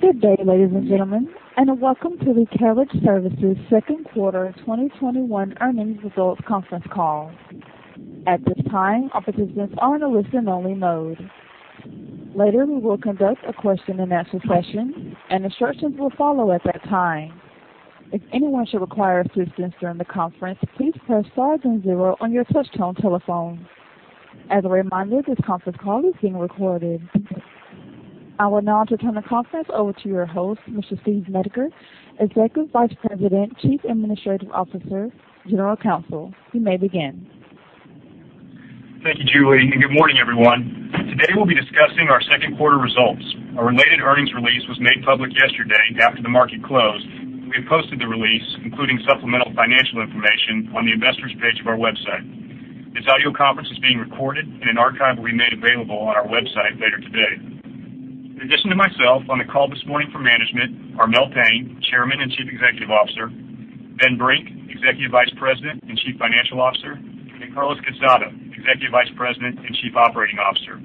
Good day, ladies and gentlemen, and welcome to the Carriage Services second quarter 2021 earnings results conference call. At this time, all participants are in a listen-only mode. Later, we will conduct a question-and-answer session, and instructions will follow at that time. If anyone should require assistance during the conference, please press star zero on your touch-tone telephone. As a reminder, this conference call is being recorded. I would now like to turn the conference over to your host, Mr. Steven D. Metzger, Executive Vice President, Chief Administrative Officer, General Counsel. You may begin. Thank you, Julie, and good morning, everyone. Today we'll be discussing our second quarter results. Our related earnings release was made public yesterday after the market closed. We have posted the release, including supplemental financial information, on the investors page of our website. This audio conference is being recorded and an archive will be made available on our website later today. In addition to myself, on the call this morning from management are Melvin Payne, Chairman and Chief Executive Officer; Ben Brink, Executive Vice President and Chief Financial Officer; and Carlos Quezada, Executive Vice President and Chief Operating Officer.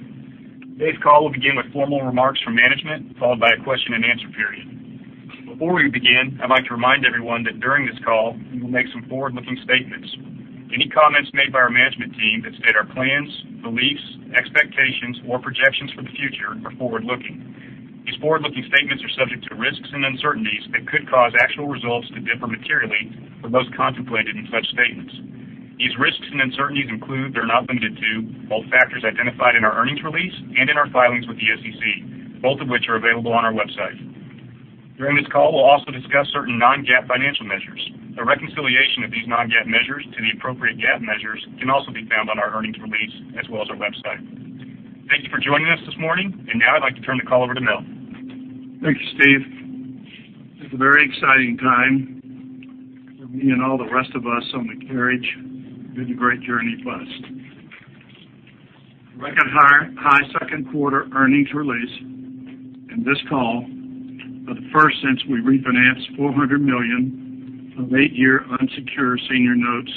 Today's call will begin with formal remarks from management, followed by a question-and-answer period. Before we begin, I'd like to remind everyone that during this call, we will make some forward-looking statements. Any comments made by our management team that state our plans, beliefs, expectations, or projections for the future are forward-looking. These forward-looking statements are subject to risks and uncertainties that could cause actual results to differ materially from those contemplated in such statements. These risks and uncertainties include, but are not limited to, both factors identified in our earnings release and in our filings with the SEC, both of which are available on our website. During this call, we'll also discuss certain non-GAAP financial measures. A reconciliation of these non-GAAP measures to the appropriate GAAP measures can also be found on our earnings release as well as our website. Thank you for joining us this morning, and now I'd like to turn the call over to Mel. Thank you, Steve. It's a very exciting time for me and all the rest of us on the Carriage Integrated Journey Bus. Record high second quarter earnings release in this call for the first since we refinanced $400 million of eight-year unsecured senior notes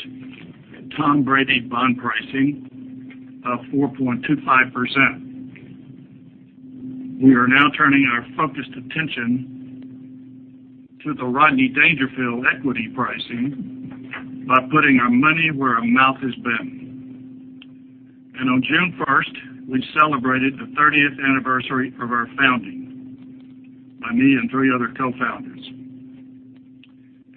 at Tom Brady bond pricing of 4.25%. We are now turning our focused attention to the Rodney Dangerfield equity pricing by putting our money where our mouth has been. On June 1st, we celebrated the 30th anniversary of our founding by me and three other co-founders.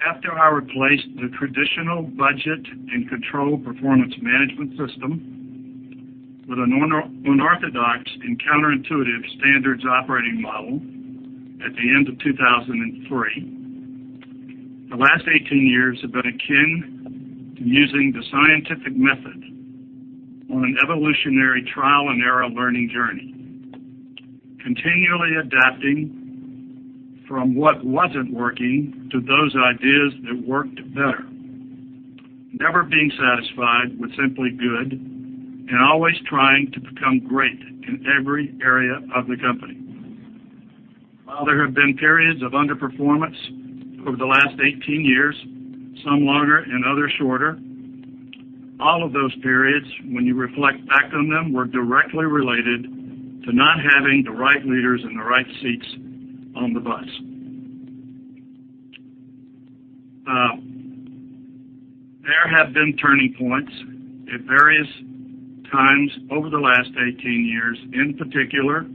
After I replaced the traditional budget and control performance management system with an unorthodox and counterintuitive Standards Operating Model at the end of 2003, the last 18 years have been akin to using the scientific method on an evolutionary trial and error learning journey, continually adapting from what wasn't working to those ideas that worked better, never being satisfied with simply good, and always trying to become great in every area of the company. While there have been periods of underperformance over the last 18 years, some longer and others shorter, all of those periods, when you reflect back on them, were directly related to not having the right leaders in the right seats on the bus. There have been turning points at various times over the last 18 years, in particular,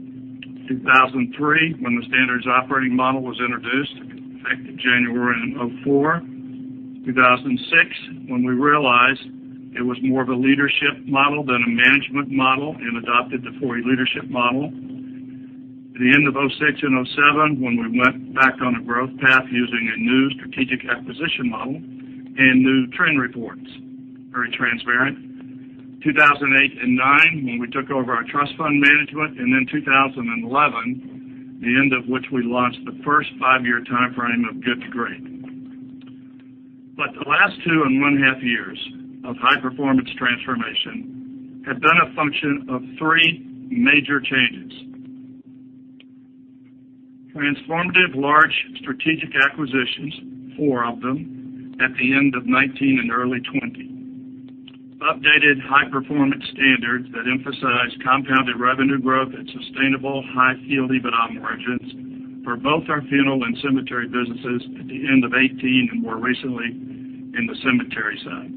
2003, when the Standards Operating Model was introduced, effective January of 2004. 2006, when we realized it was more of a leadership model than a management model and adopted the 4E Leadership Model. The end of 2006 and 2007 when we went back on a growth path using a new Strategic Acquisition Model and new trend reports. Very transparent. 2008 and 2009, when we took over our trust fund management, 2011, the end of which we launched the first five-year timeframe of Good to Great. The last two and one half years of high-performance transformation have been a function of three major changes. Transformative large strategic acquisitions, four of them, at the end of 2019 and early 2020. Updated high-performance standards that emphasize compounded revenue growth and sustainable high Field EBITDA margins for both our funeral and cemetery businesses at the end of 2018, and more recently in the cemetery side.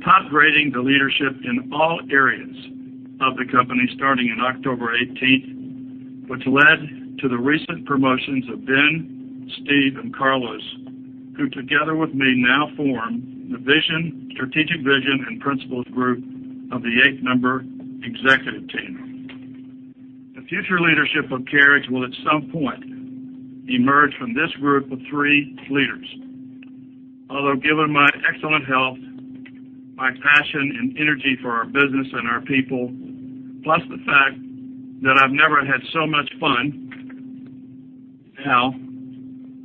Top grading the leadership in all areas of the company starting in October 2018, which led to the recent promotions of Ben, Steve, and Carlos, who together with me now form the Strategic Vision and Principles Group of the eight-member executive team. The future leadership of Carriage will at some point emerge from this group of three leaders. Although given my excellent health, my passion and energy for our business and our people, plus the fact that I've never had so much fun, now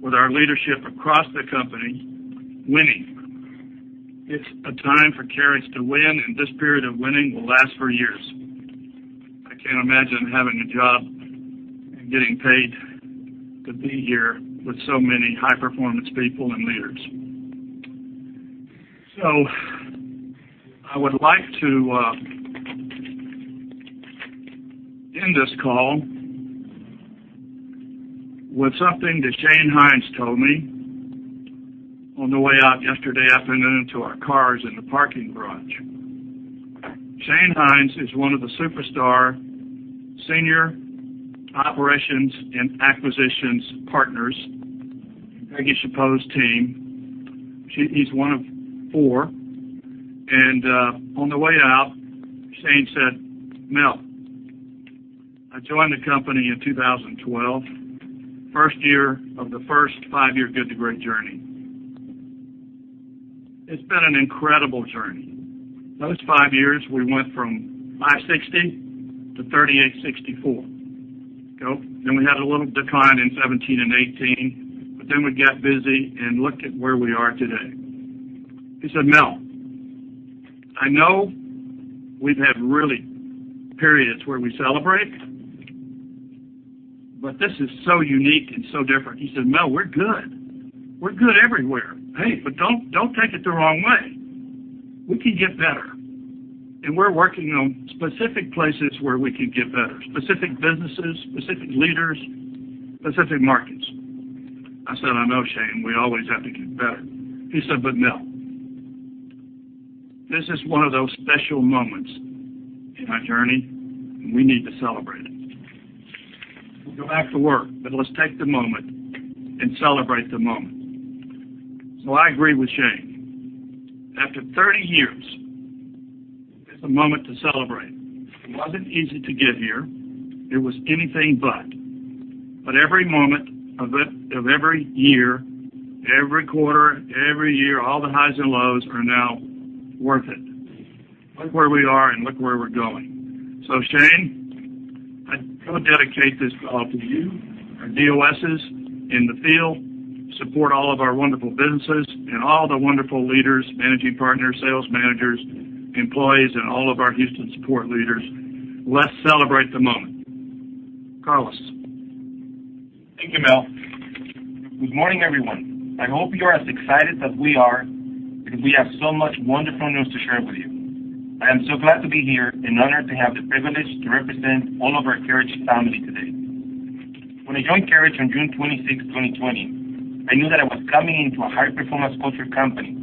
with our leadership across the company winning, it's a time for Carriage to win, and this period of winning will last for years. I can't imagine having a job and getting paid to be here with so many high-performance people and leaders. I would like to end this call with something that Shane Hinds told me on the way out yesterday afternoon to our cars in the parking garage. Shane Hinds is one of the superstar Senior Operations and Acquisitions Partners in Peggy Schappaugh's team. He's one of four. On the way out, Shane said, "Mel, I joined the company in 2012, first year of the first five-year Good to Great journey. It's been an incredible journey. Those five years, we went from 560 to 3,864." We had a little decline in 2017 and 2018. We got busy and looked at where we are today. He said, "Mel, I know we've had really periods where we celebrate, but this is so unique and so different." He said, "Mel, we're good. We're good everywhere. Hey, don't take it the wrong way. We can get better, we're working on specific places where we can get better, specific businesses, specific leaders, specific markets." I said, "I know, Shane. We always have to get better." He said, "Mel, this is one of those special moments in our journey, we need to celebrate it. We'll go back to work, let's take the moment and celebrate the moment." I agree with Shane. After 30 years, it's a moment to celebrate. It wasn't easy to get here. It was anything but. Every moment of it, of every year, every quarter, every year, all the highs and lows are now worth it. Look where we are and look where we're going. Shane, I dedicate this call to you, our DOSs in the field, support all of our wonderful businesses and all the wonderful leaders, managing partners, sales managers, employees, and all of our Houston support leaders. Let's celebrate the moment. Carlos. Thank you, Mel. Good morning, everyone. I hope you are as excited as we are because we have so much wonderful news to share with you. I am so glad to be here and honored to have the privilege to represent all of our Carriage family today. When I joined Carriage on June 26th, 2020, I knew that I was coming into a high-performance culture company,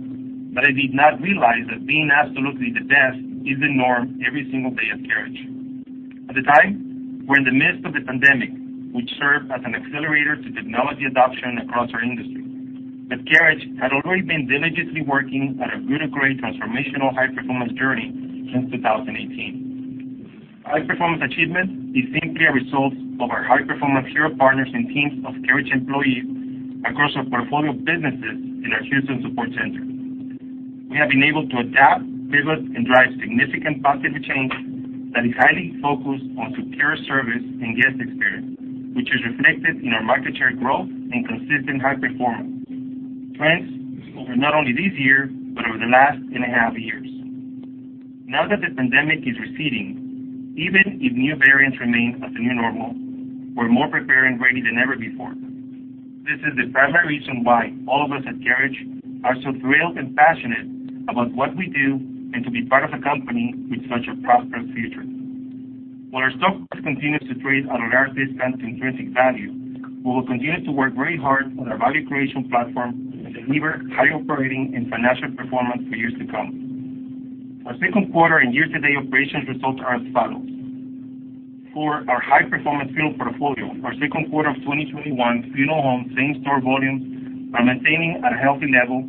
but I did not realize that being absolutely the best is the norm every single day at Carriage. At the time, we were in the midst of the pandemic, which served as an accelerator to technology adoption across our industry. Carriage had already been diligently working on a Good to Great transformational high-performance journey since 2018. High-performance achievement is simply a result of our high-performance hero partners and teams of Carriage employees across our portfolio of businesses in our Houston support center. We have been able to adapt, pivot, and drive significant positive change that is highly focused on superior service and guest experience, which is reflected in our market share growth and consistent high performance, trends over not only this year but over the last two and a half years. Now that the pandemic is receding, even if new variants remain as the new normal, we're more prepared and ready than ever before. This is the primary reason why all of us at Carriage are so thrilled and passionate about what we do and to be part of a company with such a prosperous future. While our stock price continues to trade at a large discount to intrinsic value, we will continue to work very hard on our value creation platform and deliver high operating and financial performance for years to come. Our second quarter and year-to-date operations results are as follows. For our high-performance funeral portfolio, our second quarter of 2021 funeral home same-store volumes are maintaining a healthy level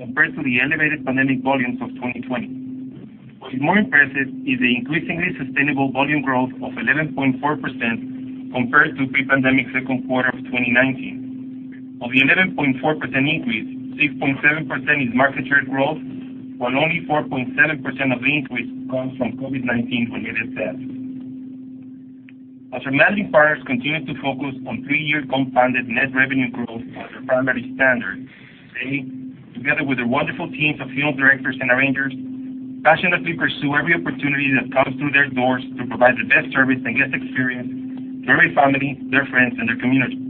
compared to the elevated pandemic volumes of 2020. What is more impressive is the increasingly sustainable volume growth of 11.4% compared to pre-pandemic second quarter of 2019. Of the 11.4% increase, 6.7% is market share growth, while only 4.7% of the increase comes from COVID-19-related deaths. As our managing partners continue to focus on three-year compounded net revenue growth as their primary standard, they, together with their wonderful teams of funeral directors and arrangers, passionately pursue every opportunity that comes through their doors to provide the best service and guest experience to every family, their friends, and their community.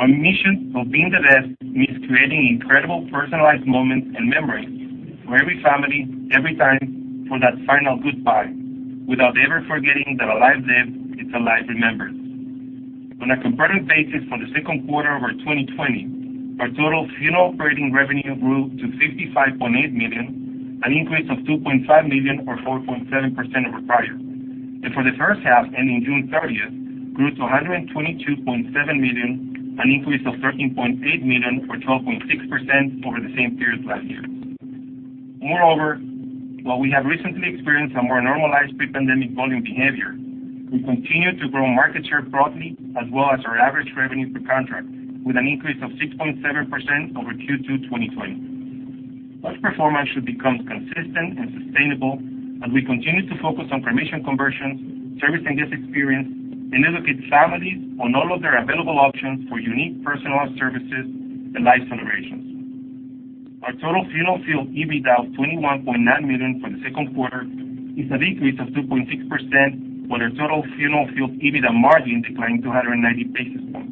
Our mission of being the best means creating incredible personalized moments and memories for every family, every time, for that final goodbye, without ever forgetting that a life lived is a life remembered. On a comparative basis for the second quarter over 2020, our total funeral operating revenue grew to $55.8 million, an increase of $2.5 million or 4.7% over prior. For the first half, ending June 30th, grew to $122.7 million, an increase of $13.8 million or 12.6% over the same period last year. Moreover, while we have recently experienced a more normalized pre-pandemic volume behavior, we continue to grow market share broadly as well as our average revenue per contract, with an increase of 6.7% over Q2 2020. Such performance should become consistent and sustainable as we continue to focus on cremation conversions, service and guest experience, and educate families on all of their available options for unique personalized services and life celebrations. Our total funeral Field EBITDA of $21.9 million for the second quarter is a decrease of 2.6% while our Total Funeral Field EBITDA margin declined 290 basis points.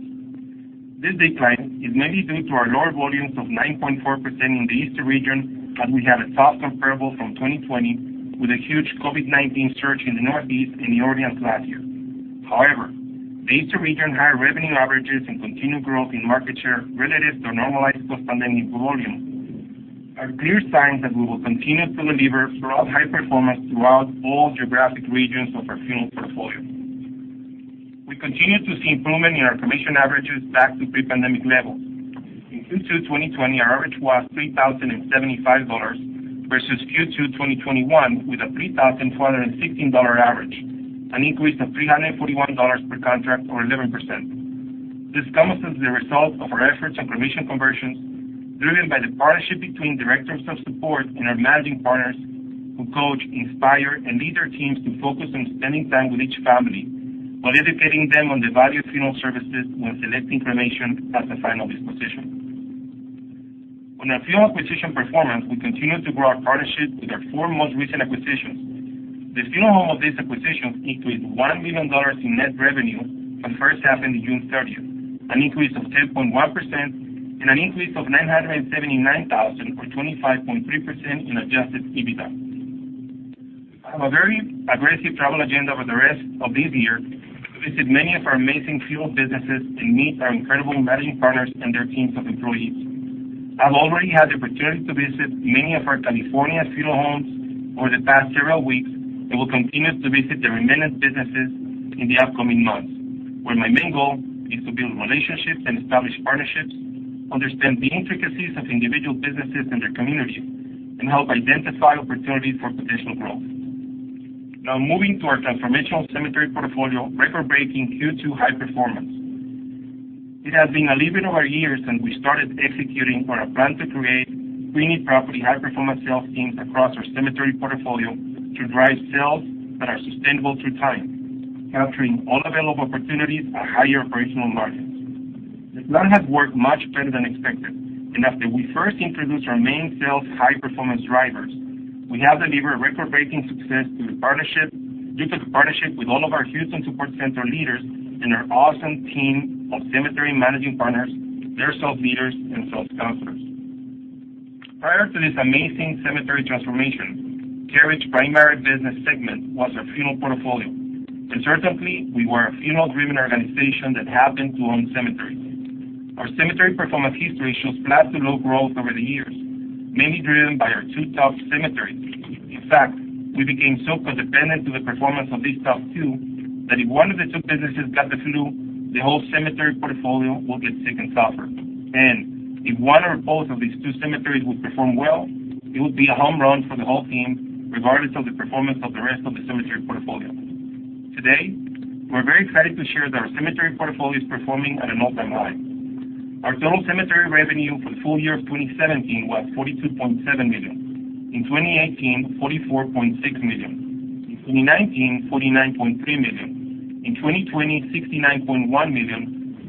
This decline is mainly due to our lower volumes of 9.4% in the Eastern region, as we had a tough comparable from 2020 with a huge COVID-19 surge in the Northeast and New Orleans last year. However, the Eastern region high revenue averages and continued growth in market share relative to normalized post-pandemic volumes are clear signs that we will continue to deliver strong high performance throughout all geographic regions of our funeral portfolio. We continue to see improvement in our cremation averages back to pre-pandemic levels. In Q2 2020, our average was $3,075 versus Q2 2021, with a $3,416 average, an increase of $341 per contract or 11%. This comes as the result of our efforts in cremation conversions driven by the partnership between Directors of Services and our managing partners who coach, inspire, and lead their teams to focus on spending time with each family while educating them on the value of funeral services when selecting cremation as the final disposition. On our funeral acquisition performance, we continue to grow our partnerships with our four most recent acquisitions. The funeral home of these acquisitions increased $1 million in net revenue from first half into June 30th, an increase of 10.1% and an increase of 979,000 or 25.3% in Adjusted EBITDA. I have a very aggressive travel agenda over the rest of this year to visit many of our amazing funeral businesses and meet our incredible managing partners and their teams of employees. I've already had the opportunity to visit many of our California funeral homes over the past several weeks and will continue to visit the remaining businesses in the upcoming months, where my main goal is to build relationships and establish partnerships, understand the intricacies of individual businesses and their communities, and help identify opportunities for potential growth. Moving to our transformational cemetery portfolio record-breaking Q2 high performance. It has been a little over a year since we started executing on our plan to create premium property high-performance sales teams across our cemetery portfolio to drive sales that are sustainable through time, capturing all available opportunities at higher operational margins. This plan has worked much better than expected, after we first introduced our main sales high performance drivers, we have delivered record-breaking success due to the partnership with all of our Houston Support Center leaders and our awesome team of cemetery managing partners, their sales leaders, and sales counselors. Prior to this amazing cemetery transformation, Carriage Services' primary business segment was our funeral portfolio, certainly, we were a funeral-driven organization that happened to own cemeteries. Our cemetery performance history shows flat to low growth over the years, mainly driven by our two top cemeteries. In fact, we became so co-dependent to the performance of these top two that if one of the two businesses got the flu, the whole cemetery portfolio would get sick and suffer, and if one or both of these two cemeteries would perform well, it would be a home run for the whole team, regardless of the performance of the rest of the cemetery portfolio. Today, we're very excited to share that our cemetery portfolio is performing at an all-time high. Our total cemetery revenue for the full year of 2017 was $42.7 million. In 2018, $44.6 million. In 2019, $49.3 million. In 2020, $69.1 million,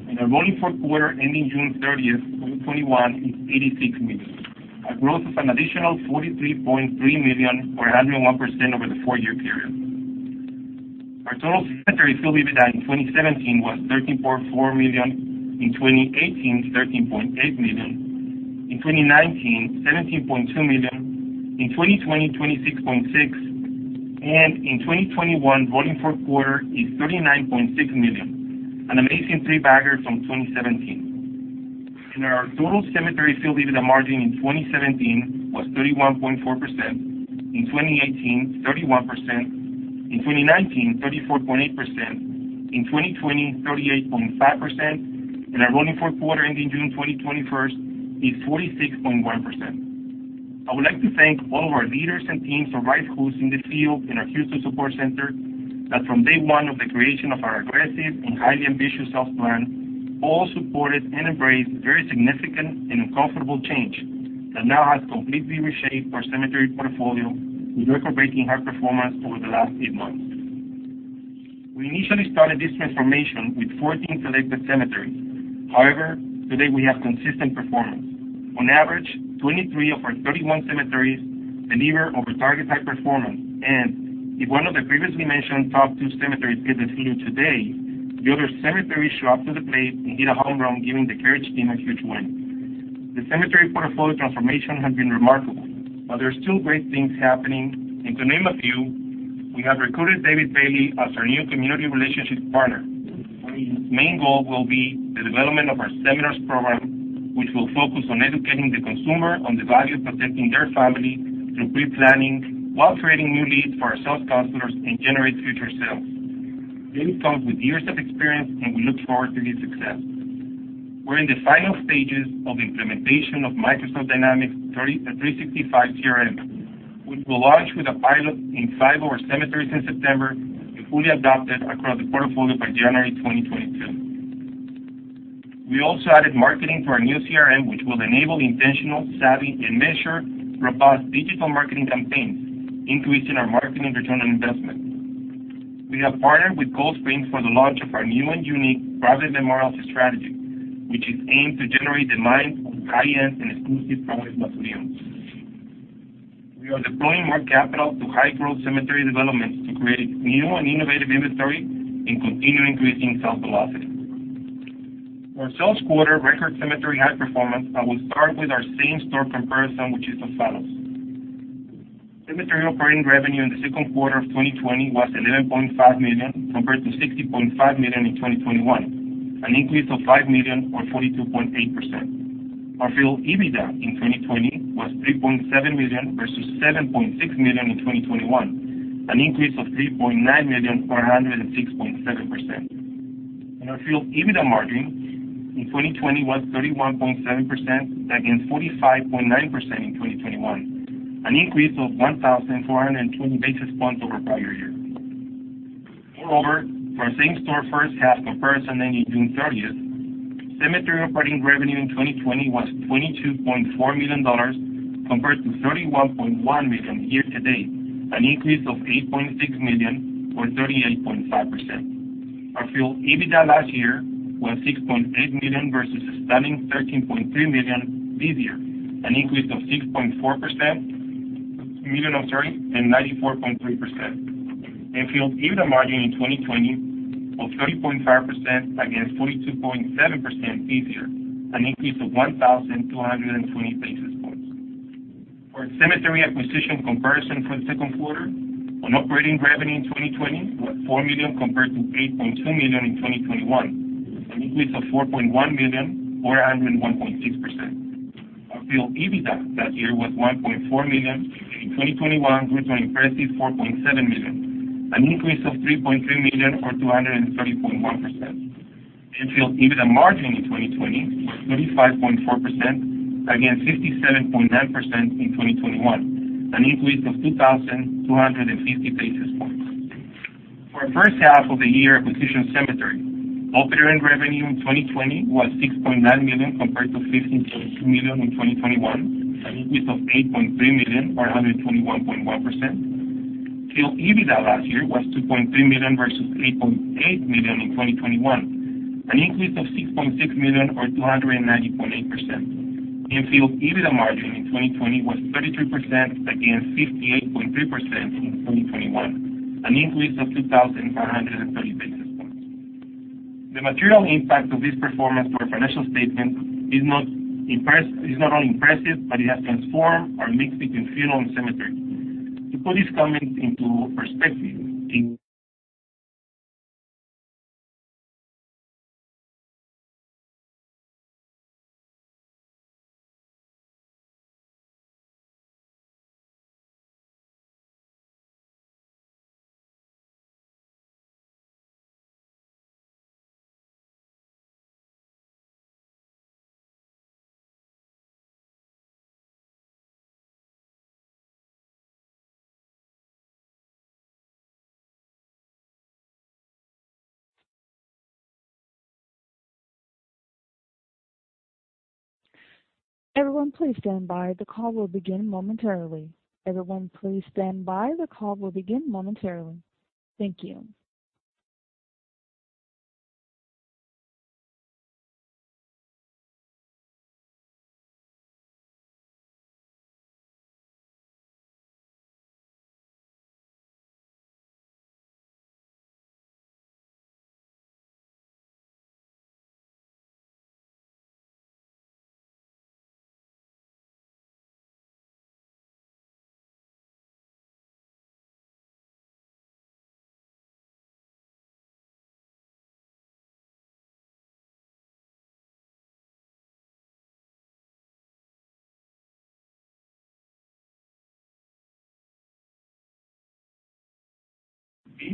and our rolling fourth quarter ending June 30th, 2021 is $86 million, a growth of an additional $43.3 million or 101% over the four-year period. Our total cemetery Field EBITDA in 2017 was $13.4 million. In 2018, $13.8 million. In 2019, $17.2 million. In 2020, $26.6. In 2021 rolling fourth quarter is $39.6 million, an amazing three-bagger from 2017. Our Total Cemetery Field EBITDA margin in 2017 was 31.4%. In 2018, 31%. In 2019, 34.8%. In 2020, 38.5%. Our rolling fourth quarter ending June 2021 is 46.1%. I would like to thank all of our leaders and teams in the field in our Houston Support Center that from Day 1 of the creation of our aggressive and highly ambitious sales plan, all supported and embraced very significant and uncomfortable change that now has completely reshaped our cemetery portfolio with record-breaking high performance over the last eight months. We initially started this transformation with 14 selected cemeteries. However, today we have consistent performance. On average, 23 of our 31 cemeteries deliver over target high performance, and if one of the previously mentioned top two cemeteries get the flu today, the other cemeteries show up to the plate and hit a home run, giving the Carriage team a huge win. The cemetery portfolio transformation has been remarkable, but there are still great things happening, and to name a few, we have recruited David Bailey as our new Community Relationships Partner. His main goal will be the development of our seminars program, which will focus on educating the consumer on the value of protecting their family through pre-planning while creating new leads for our sales counselors and generate future sales. David comes with years of experience, and we look forward to his success. We're in the final stages of implementation of Microsoft Dynamics 365 CRM, which will launch with a pilot in five of our cemeteries in September and fully adopted across the portfolio by January 2022. We also added marketing to our new CRM, which will enable intentional, savvy, and measured robust digital marketing campaigns, increasing our marketing return on investment. We have partnered with Coldspring for the launch of our new and unique private memorials strategy, which is aimed to generate demand for high-end and exclusive private mausoleums. We are deploying more capital to high-growth cemetery developments to create new and innovative inventory and continue increasing sales velocity. For sales quarter record cemetery high performance, I will start with our same-store comparison, which is as follows. Cemetery operating revenue in the second quarter of 2020 was $11.5 million compared to $16.5 million in 2021, an increase of $5 million, or 42.8%. Our Field EBITDA in 2020 was $3.7 million versus $7.6 million in 2021, an increase of $3.9 million, or 106.7%. Our Field EBITDA margin in 2020 was 31.7% against 45.9% in 2021, an increase of 1,420 basis points over prior year. For same-store first half comparison ending June 30th, cemetery operating revenue in 2020 was $22.4 million compared to $31.1 million year-to-date, an increase of $8.6 million or 38.5%. Our Field EBITDA last year was $6.8 million versus a stunning $13.3 million this year, an increase of $6.4 million, and 94.3%. Field EBITDA margin in 2020 of 30.5% against 42.7% this year, an increase of 1,220 basis points. For cemetery acquisition comparison for the second quarter, operating revenue in 2020 was $4 million compared to $8.2 million in 2021, an increase of $4.1 million or 101.6%. Our Field EBITDA that year was $1.4 million in 2021 grew to an impressive $4.7 million, an increase of $3.3 million or 230.1%. Field EBITDA margin in 2020 was 35.4% against 57.9% in 2021, an increase of 2,250 basis points. For first half of the year acquisition cemetery, operating revenue in 2020 was $6.9 million compared to $15.2 million in 2021, an increase of $8.3 million or 121.1%. Field EBITDA last year was $2.3 million versus $3.8 million in 2021, an increase of $6.6 million or 290.8%. Field EBITDA margin in 2020 was 33% against 58.3% in 2021, an increase of 2,530 basis points. The material impact of this performance for our financial statement is not only impressive, but it has transformed our mix between funeral and cemetery. Everyone, please stand by. The call will begin momentarily. Everyone, please stand by. The call will begin momentarily. Thank you.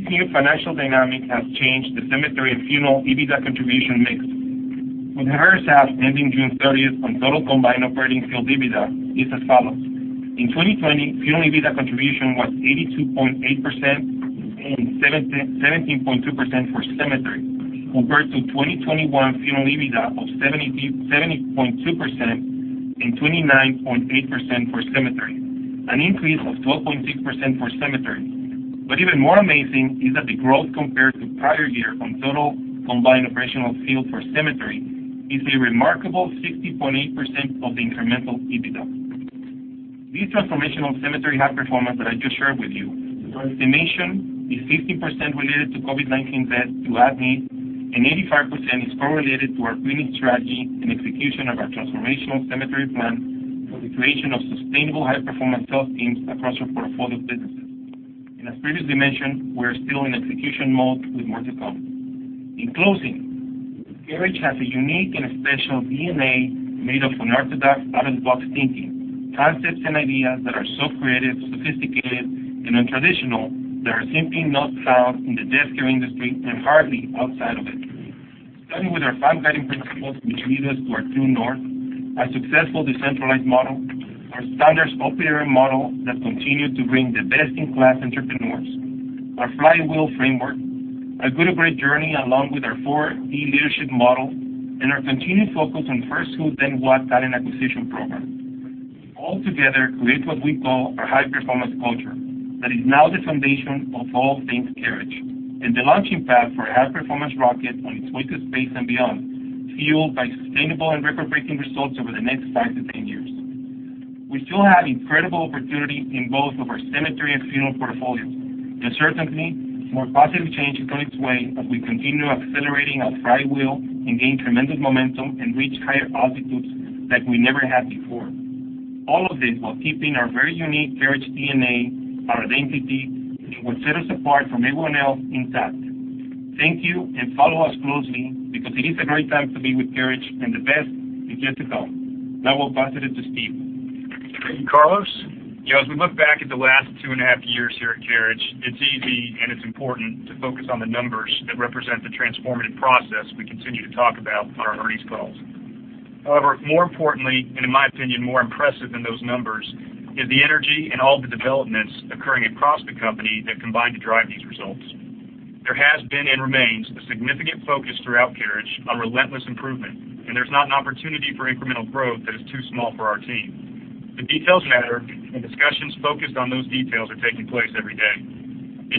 This new financial dynamic has changed the cemetery and Funeral EBITDA contribution mix. For the first half ending June 30th on total combined operating Field EBITDA is as follows. In 2020, Funeral EBITDA contribution was 82.8% and 17.2% for cemetery, compared to 2021 Funeral EBITDA of 70.2% and 29.8% for cemetery, an increase of 12.6% for cemetery. Even more amazing is that the growth compared to prior year on total combined operational field for cemetery is a remarkable 60.8% of the incremental EBITDA. This transformational cemetery high performance that I just shared with you, our estimation is 50% related to COVID-19 deaths to at-need, 85% is correlated to our winning strategy and execution of our transformational cemetery plan for the creation of sustainable high-performance sales teams across our portfolio of businesses. As previously mentioned, we are still in execution mode with more to come. In closing, Carriage has a unique and special DNA made up of unorthodox out-of-the-box thinking, concepts and ideas that are so creative, sophisticated, and untraditional that are simply not found in the deathcare industry and hardly outside of it. Starting with our five guiding principles, which lead us to our true north, our successful decentralized model, our Standards Operating Model that continue to bring the best-in-class entrepreneurs, our flywheel framework, our Good to Great journey along with our 4E Leadership Model, and our continued focus on first who then what talent acquisition program, all together create what we call our high-performance culture that is now the foundation of all things Carriage and the launching pad for our high-performance rocket on its way to space and beyond. Fueled by sustainable and record-breaking results over the next 5-10 years. We still have incredible opportunity in both of our cemetery and funeral portfolios, and certainly, more positive change is on its way as we continue accelerating our flywheel and gain tremendous momentum and reach higher altitudes that we never had before. All of this while keeping our very unique Carriage DNA, our identity, and what set us apart from everyone else intact. Thank you, and follow us closely because it is a great time to be with Carriage, and the best is yet to come. Now I'll pass it to Steve. Thank you, Carlos. However, as we look back at the last two and a half years here at Carriage, it's easy and it's important to focus on the numbers that represent the transformative process we continue to talk about on our earnings calls. More importantly, and in my opinion more impressive than those numbers, is the energy and all the developments occurring across the company that combine to drive these results. There has been and remains a significant focus throughout Carriage on relentless improvement. There's not an opportunity for incremental growth that is too small for our team. The details matter, and discussions focused on those details are taking place every day.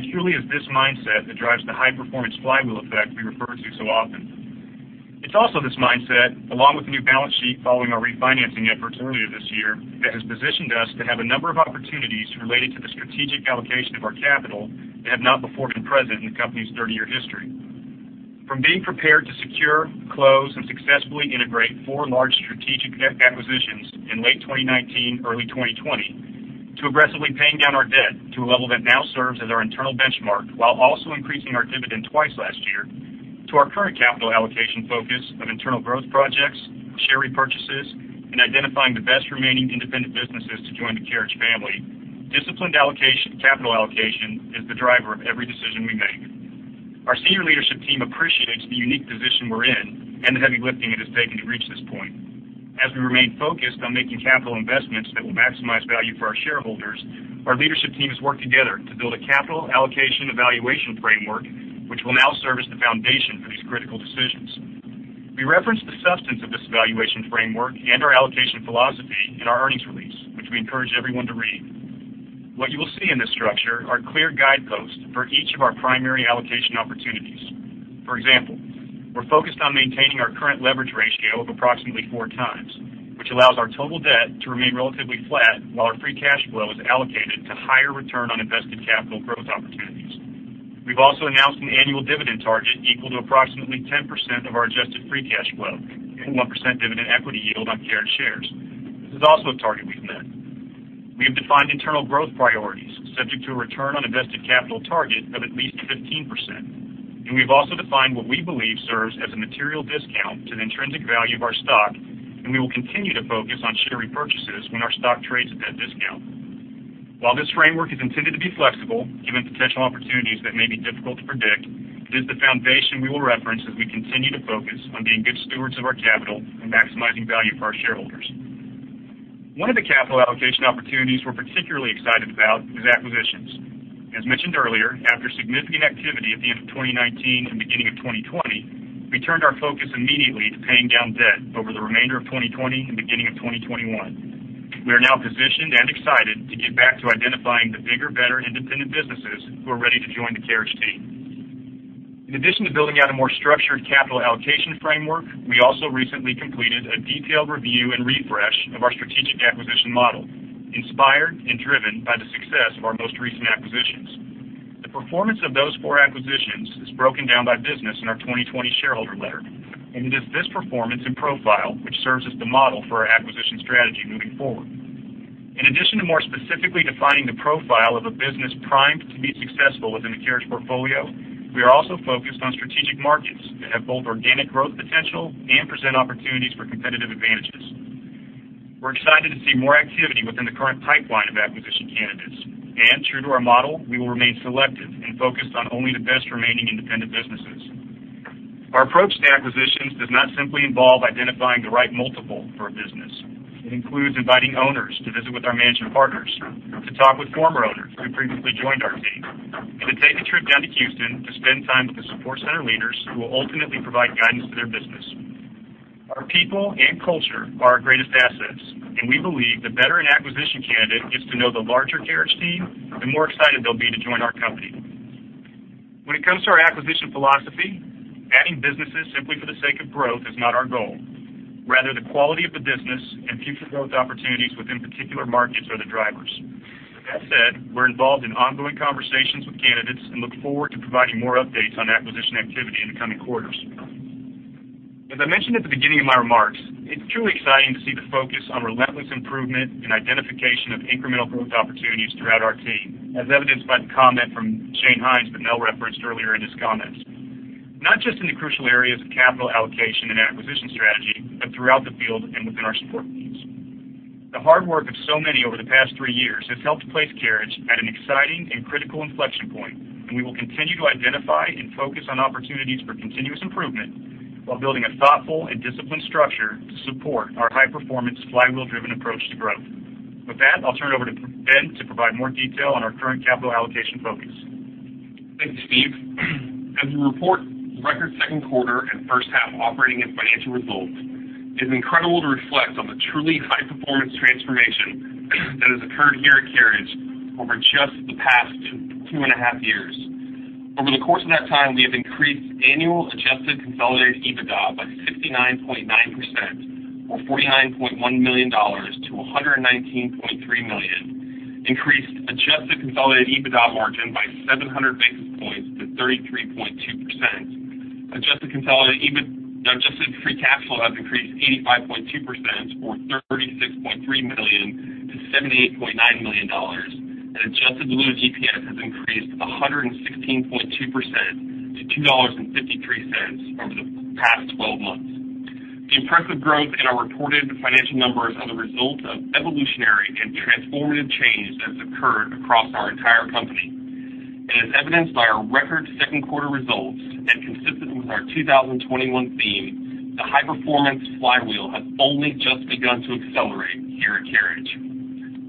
It truly is this mindset that drives the high-performance flywheel effect we refer to so often. It's also this mindset, along with the new balance sheet following our refinancing efforts earlier this year, that has positioned us to have a number of opportunities related to the strategic allocation of our capital that have not before been present in the company's 30-year history. From being prepared to secure, close, and successfully integrate four large strategic net acquisitions in late 2019, early 2020, to aggressively paying down our debt to a level that now serves as our internal benchmark while also increasing our dividend twice last year, to our current capital allocation focus on internal growth projects, share repurchases, and identifying the best remaining independent businesses to join the Carriage family, disciplined capital allocation is the driver of every decision we make. Our senior leadership team appreciates the unique position we're in and the heavy lifting it has taken to reach this point. As we remain focused on making capital investments that will maximize value for our shareholders, our leadership team has worked together to build a capital allocation evaluation framework, which will now serve as the foundation for these critical decisions. We referenced the substance of this evaluation framework and our allocation philosophy in our earnings release, which we encourage everyone to read. What you will see in this structure are clear guideposts for each of our primary allocation opportunities. For example, we're focused on maintaining our current leverage ratio of approximately four times, which allows our total debt to remain relatively flat while our free cash flow is allocated to higher return on invested capital growth opportunities. We've also announced an annual dividend target equal to approximately 10% of our Adjusted Free Cash Flow and a 1% dividend equity yield on carried shares. This is also a target we've met. We have defined internal growth priorities subject to a return on invested capital target of at least 15%. We've also defined what we believe serves as a material discount to the intrinsic value of our stock, and we will continue to focus on share repurchases when our stock trades at that discount. While this framework is intended to be flexible, given potential opportunities that may be difficult to predict, it is the foundation we will reference as we continue to focus on being good stewards of our capital and maximizing value for our shareholders. One of the capital allocation opportunities we're particularly excited about is acquisitions. As mentioned earlier, after significant activity at the end of 2019 and beginning of 2020, we turned our focus immediately to paying down debt over the remainder of 2020 and beginning of 2021. We are now positioned and excited to get back to identifying the bigger, better independent businesses who are ready to join the Carriage team. In addition to building out a more structured capital allocation framework, we also recently completed a detailed review and refresh of our Strategic Acquisition Model, inspired and driven by the success of our most recent acquisitions. The performance of those four acquisitions is broken down by business in our 2020 shareholder letter, and it is this performance and profile which serves as the model for our acquisition strategy moving forward. In addition to more specifically defining the profile of a business primed to be successful within the Carriage portfolio, we are also focused on strategic markets that have both organic growth potential and present opportunities for competitive advantages. We are excited to see more activity within the current pipeline of acquisition candidates. True to our model, we will remain selective and focused on only the best remaining independent businesses. Our approach to acquisitions does not simply involve identifying the right multiple for a business. It includes inviting owners to visit with our managing partners, to talk with former owners who previously joined our team, and to take a trip down to Houston to spend time with the support center leaders who will ultimately provide guidance to their business. Our people and culture are our greatest assets, and we believe the better an acquisition candidate gets to know the larger Carriage team, the more excited they'll be to join our company. When it comes to our acquisition philosophy, adding businesses simply for the sake of growth is not our goal. Rather, the quality of the business and future growth opportunities within particular markets are the drivers. With that said, we're involved in ongoing conversations with candidates and look forward to providing more updates on acquisition activity in the coming quarters. As I mentioned at the beginning of my remarks, it's truly exciting to see the focus on relentless improvement and identification of incremental growth opportunities throughout our team, as evidenced by the comment from Shane Hinds that Mel referenced earlier in his comments, not just in the crucial areas of capital allocation and acquisition strategy, but throughout the field and within our support teams. The hard work of so many over the past three years has helped place Carriage at an exciting and critical inflection point, and we will continue to identify and focus on opportunities for continuous improvement while building a thoughtful and disciplined structure to support our high-performance, flywheel-driven approach to growth. With that, I'll turn it over to Ben to provide more detail on our current capital allocation focus. Thank you, Steve. As we report record second quarter and first half operating and financial results. It's incredible to reflect on the truly high-performance transformation that has occurred here at Carriage over just the past two and a half years. Over the course of that time, we have increased annual Adjusted Consolidated EBITDA by 69.9%, or $49.1 million to $119.3 million, increased Adjusted Consolidated EBITDA margin by 700 basis points to 33.2%. Adjusted Free Cash Flow has increased 85.2%, or $36.3 million to $78.9 million, and Adjusted Diluted EPS has increased 116.2% to $2.53 over the past 12 months. The impressive growth in our reported financial numbers are the result of evolutionary and transformative change that's occurred across our entire company. As evidenced by our record second quarter results and consistent with our 2021 theme, the high-performance flywheel has only just begun to accelerate here at Carriage.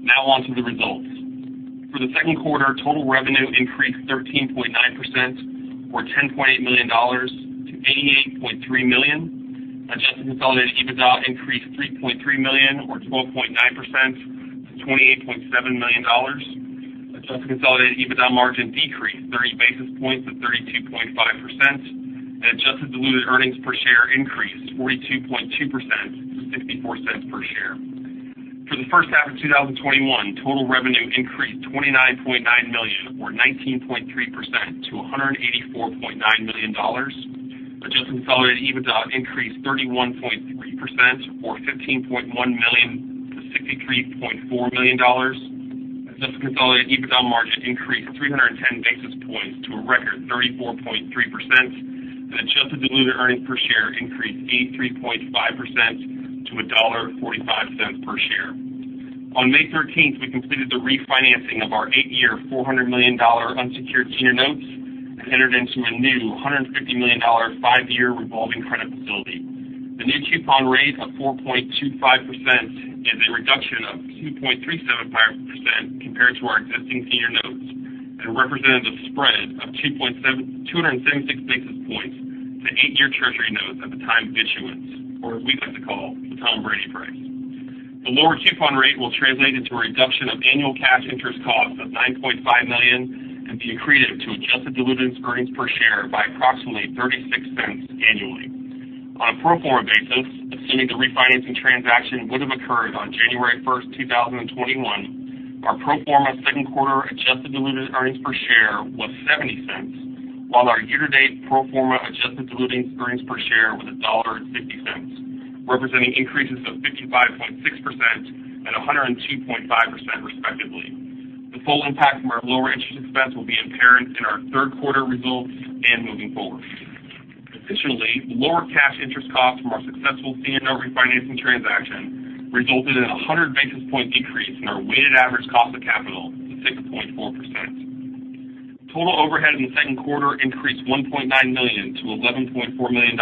Now on to the results. For the second quarter, total revenue increased 13.9%, or $10.8 million to $88.3 million. Adjusted Consolidated EBITDA increased $3.3 million or 12.9% to $28.7 million. Adjusted Consolidated EBITDA margin decreased 30 basis points to 32.5%, and Adjusted Diluted Earnings Per Share increased 42.2% to $0.64 per share. For the first half of 2021, total revenue increased $29.9 million or 19.3% to $184.9 million. Adjusted Consolidated EBITDA increased 31.3%, or $15.1 million to $63.4 million. Adjusted Consolidated EBITDA margin increased 310 basis points to a record 34.3%, and Adjusted Diluted Earnings Per Share increased 83.5% to $1.45 per share. On May 13th, we completed the refinancing of our eight-year, $400 million unsecured senior notes and entered into a new $150 million five-year revolving credit facility. The new coupon rate of 4.25% is a reduction of 2.37% compared to our existing senior notes and represented a spread of 276 basis points to eight-year treasury notes at the time of issuance, or as we like to call the Tom Brady price. The lower coupon rate will translate into a reduction of annual cash interest cost of $9.5 million and be accretive to Adjusted Diluted Earnings per share by approximately $0.36 annually. On a pro forma basis, assuming the refinancing transaction would have occurred on January 1st, 2021, our pro forma second quarter Adjusted Diluted Earnings per share was $0.70, while our year-to-date pro forma Adjusted Diluted Earnings per share was $1.60, representing increases of 55.6% and 102.5%, respectively. The full impact from our lower interest expense will be apparent in our third quarter results and moving forward. Additionally, the lower cash interest cost from our successful senior note refinancing transaction resulted in a 100 basis point decrease in our weighted average cost of capital to 6.4%. Total overhead in the second quarter increased $1.9 million to $11.4 million.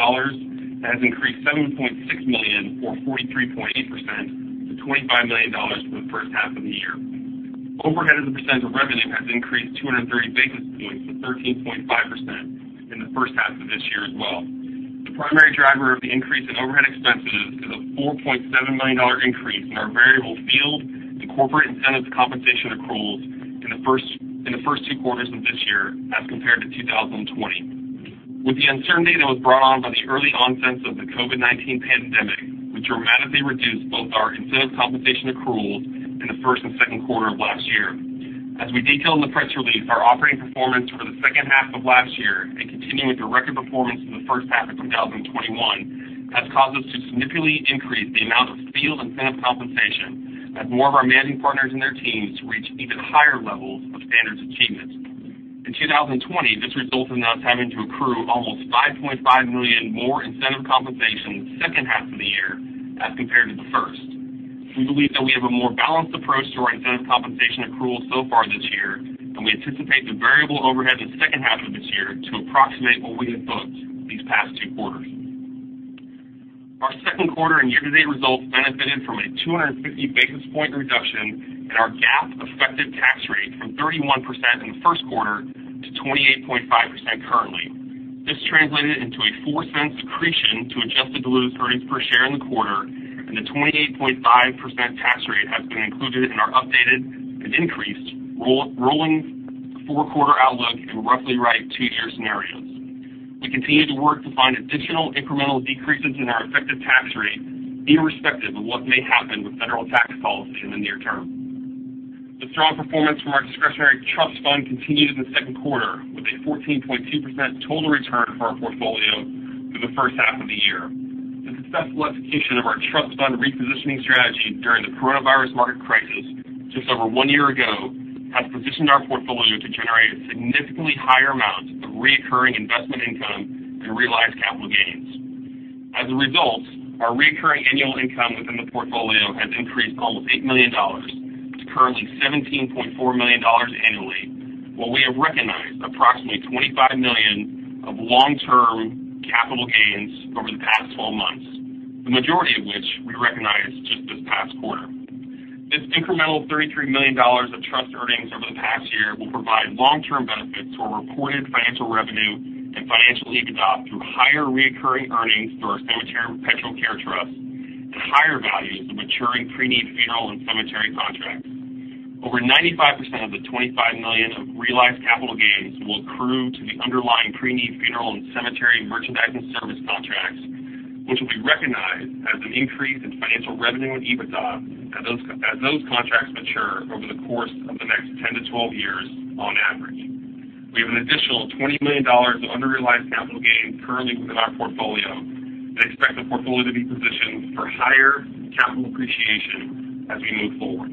That has increased $7.6 million or 43.8% to $25 million for the first half of the year. Overhead as a % of revenue has increased 230 basis points to 13.5% in the first half of this year as well. The primary driver of the increase in overhead expenses is a $4.7 million increase in our variable field and corporate incentive compensation accruals in the first two quarters of this year as compared to 2020, with the uncertainty that was brought on by the early onset of the COVID-19 pandemic, which dramatically reduced both our incentive compensation accruals in the first and second quarter of last year. As we detailed in the press release, our operating performance for the second half of last year and continuing with the record performance in the first half of 2021, has caused us to significantly increase the amount of field incentive compensation as more of our managing partners and their teams reach even higher levels of standards achievement. In 2020, this resulted in us having to accrue almost $5.5 million more incentive compensation in the second half of the year as compared to the first. We believe that we have a more balanced approach to our incentive compensation accrual so far this year, and we anticipate the variable overhead in the second half of this year to approximate what we have booked these past two quarters. Our second quarter and year-to-date results benefited from a 250 basis points reduction in our GAAP effective tax rate from 31% in the first quarter to 28.5% currently. This translated into a $0.04 accretion to Adjusted Diluted Earnings Per Share in the quarter, and the 28.5% tax rate has been included in our updated and increased rolling four-quarter outlook and roughly right two-year scenarios. We continue to work to find additional incremental decreases in our effective tax rate, irrespective of what may happen with federal tax policy in the near term. The strong performance from our discretionary trust fund continued in the second quarter, with a 14.2% total return for our portfolio through the first half of the year. The successful execution of our trust fund repositioning strategy during the coronavirus market crisis just over one year ago has positioned our portfolio to generate a significantly higher amount of recurring investment income and realized capital gains. As a result, our recurring annual income within the portfolio has increased to almost $8 million. It's currently $17.4 million annually, while we have recognized approximately $25 million of long-term capital gains over the past 12 months, the majority of which we recognized just this past quarter. This incremental $33 million of trust earnings over the past year will provide long-term benefits to our reported financial revenue and Financial EBITDA through higher recurring earnings through our cemetery perpetual care trust and higher values of maturing pre-need funeral and cemetery contracts. Over 95% of the $25 million of realized capital gains will accrue to the underlying pre-need funeral and cemetery merchandise and service contracts, which will be recognized as an increase in financial revenue and EBITDA as those contracts mature over the course of the next 10-12 years on average. We have an additional $20 million of unrealized capital gains currently within our portfolio and expect the portfolio to be positioned for higher capital appreciation as we move forward.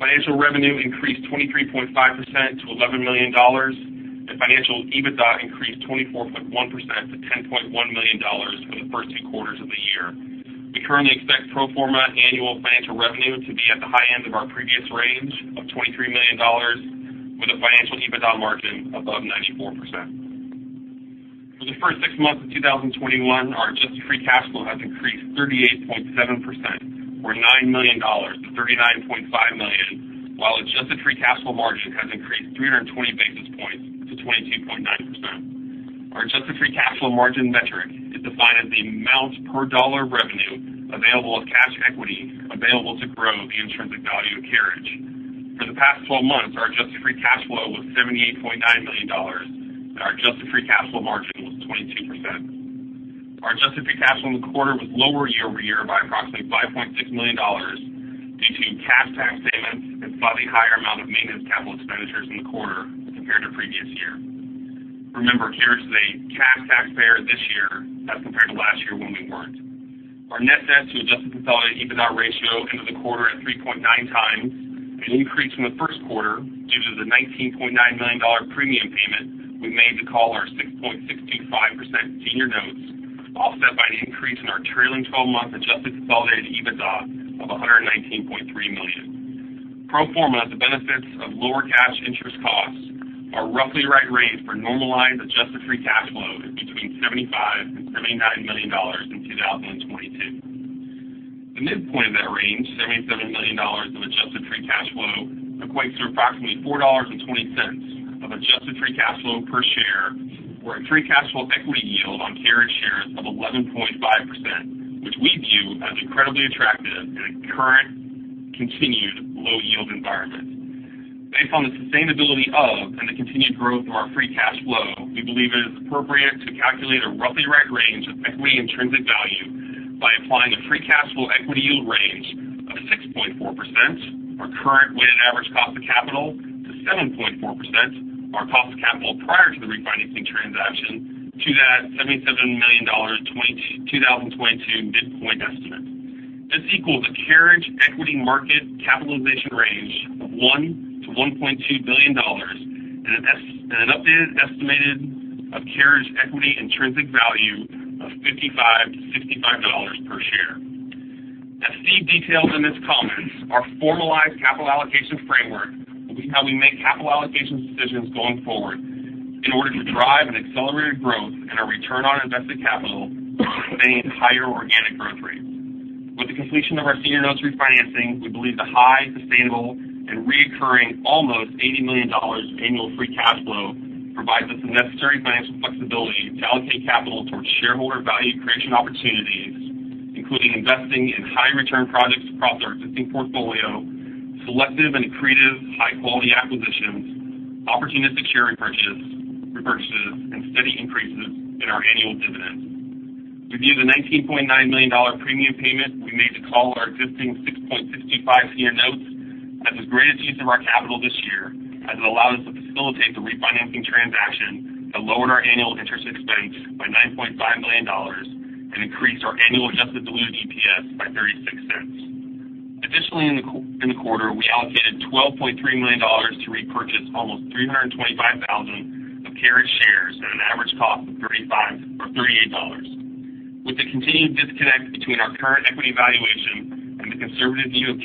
Financial revenue increased 23.5% to $11 million, and Financial EBITDA increased 24.1% to $10.1 million for the first two quarters of the year. We currently expect pro forma annual financial revenue to be at the high end of our previous range of $23 million, with a Financial EBITDA margin above 94%. For the first six months of 2021, our Adjusted Free Cash Flow has increased 38.7%, or $9 million to $39.5 million, while Adjusted Free Cash Flow margin has increased 320 basis points to 22.9%. Our Adjusted Free Cash Flow margin metric is defined as the amount per dollar of revenue available as cash equity available to grow the intrinsic value of Carriage. For the past 12 months, our Adjusted Free Cash Flow was $78.9 million, and our Adjusted Free Cash Flow margin was 22%. Our Adjusted Free Cash Flow in the quarter was lower year-over-year by approximately $5.6 million due to cash tax payments and slightly higher amount of maintenance capital expenditures in the quarter compared to previous year. Remember, Carriage is a cash taxpayer this year as compared to last year when we weren't. Our net debt to Adjusted Consolidated EBITDA ratio ended the quarter at 3.9x, an increase from the first quarter due to the $19.9 million premium payment we made to call our 6.625% senior notes, offset by an increase in our trailing 12-month Adjusted Consolidated EBITDA of $119.3 million. Pro forma to benefits of lower cash interest costs, our roughly right range for normalized Adjusted Free Cash Flow is between $75 million and $79 million in 2022. The midpoint of that range, $77 million of Adjusted Free Cash Flow, equates to approximately $4.20 of Adjusted Free Cash Flow per share or a free cash flow equity yield on Carriage shares of 11.5%, which we view as incredibly attractive in a current continued low yield environment. Based on the sustainability of and the continued growth of our free cash flow, we believe it is appropriate to calculate a roughly right range of equity intrinsic value by applying a free cash flow equity yield range of 6.4%, our current weighted average cost of capital, to 7.4%, our cost of capital prior to the refinancing transaction to that $77 million 2022 midpoint estimate. This equals a Carriage equity market capitalization range of $1 billion-$1.2 billion and an updated estimated of Carriage equity intrinsic value of $55-$65 per share. As Steve detailed in his comments, our formalized capital allocation framework will be how we make capital allocations decisions going forward in order to drive an accelerated growth and a return on invested capital maintaining higher organic growth rates. With the completion of our senior notes refinancing, we believe the high, sustainable, and recurring almost $80 million annual free cash flow provides us the necessary financial flexibility to allocate capital towards shareholder value creation opportunities, including investing in high return projects across our existing portfolio, selective and accretive high-quality acquisitions, opportunistic share repurchases, and steady increases in our annual dividend. We view the $19.9 million premium payment we made to call our existing 6.625 senior notes as the greatest use of our capital this year, as it allowed us to facilitate the refinancing transaction that lowered our annual interest expense by $9.5 million and increased our annual Adjusted Diluted EPS by $0.36. Additionally, in the quarter, we allocated $12.3 million to repurchase almost 325,000 of Carriage shares at an average cost of $38. With the continued disconnect between our current equity valuation and the conservative view of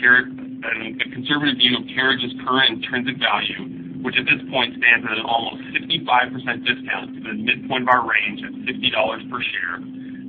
Carriage's current intrinsic value, which at this point stands at an almost 65% discount to the midpoint of our range of $60 per share,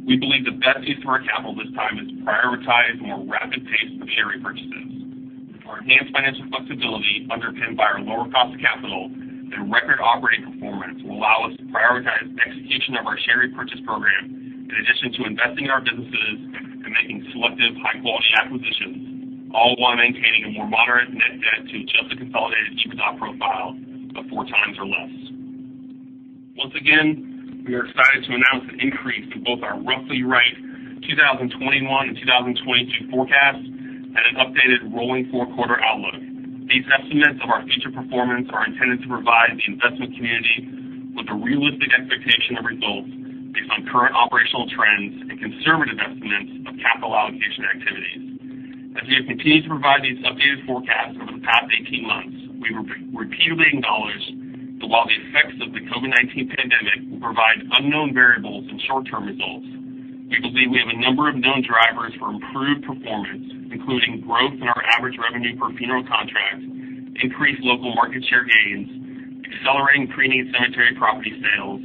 we believe the best use of our capital this time is to prioritize a more rapid pace of share repurchases. Our enhanced financial flexibility underpinned by our lower cost of capital and record operating performance will allow us to prioritize the execution of our share repurchase program in addition to investing in our businesses and making selective high-quality acquisitions, all while maintaining a more moderate net debt to Adjusted Consolidated EBITDA profile of 4x or less. Once again, we are excited to announce an increase in both our roughly right 2021 and 2022 forecasts and an updated rolling four-quarter outlook. These estimates of our future performance are intended to provide the investment community with a realistic expectation of results based on current operational trends and conservative estimates of capital allocation activities. As we have continued to provide these updated forecasts over the past 18 months, we repeatedly acknowledged that while the effects of the COVID-19 pandemic will provide unknown variables and short-term results, we believe we have a number of known drivers for improved performance, including growth in our average revenue per funeral contract, increased local market share gains. Accelerating pre-need cemetery property sales,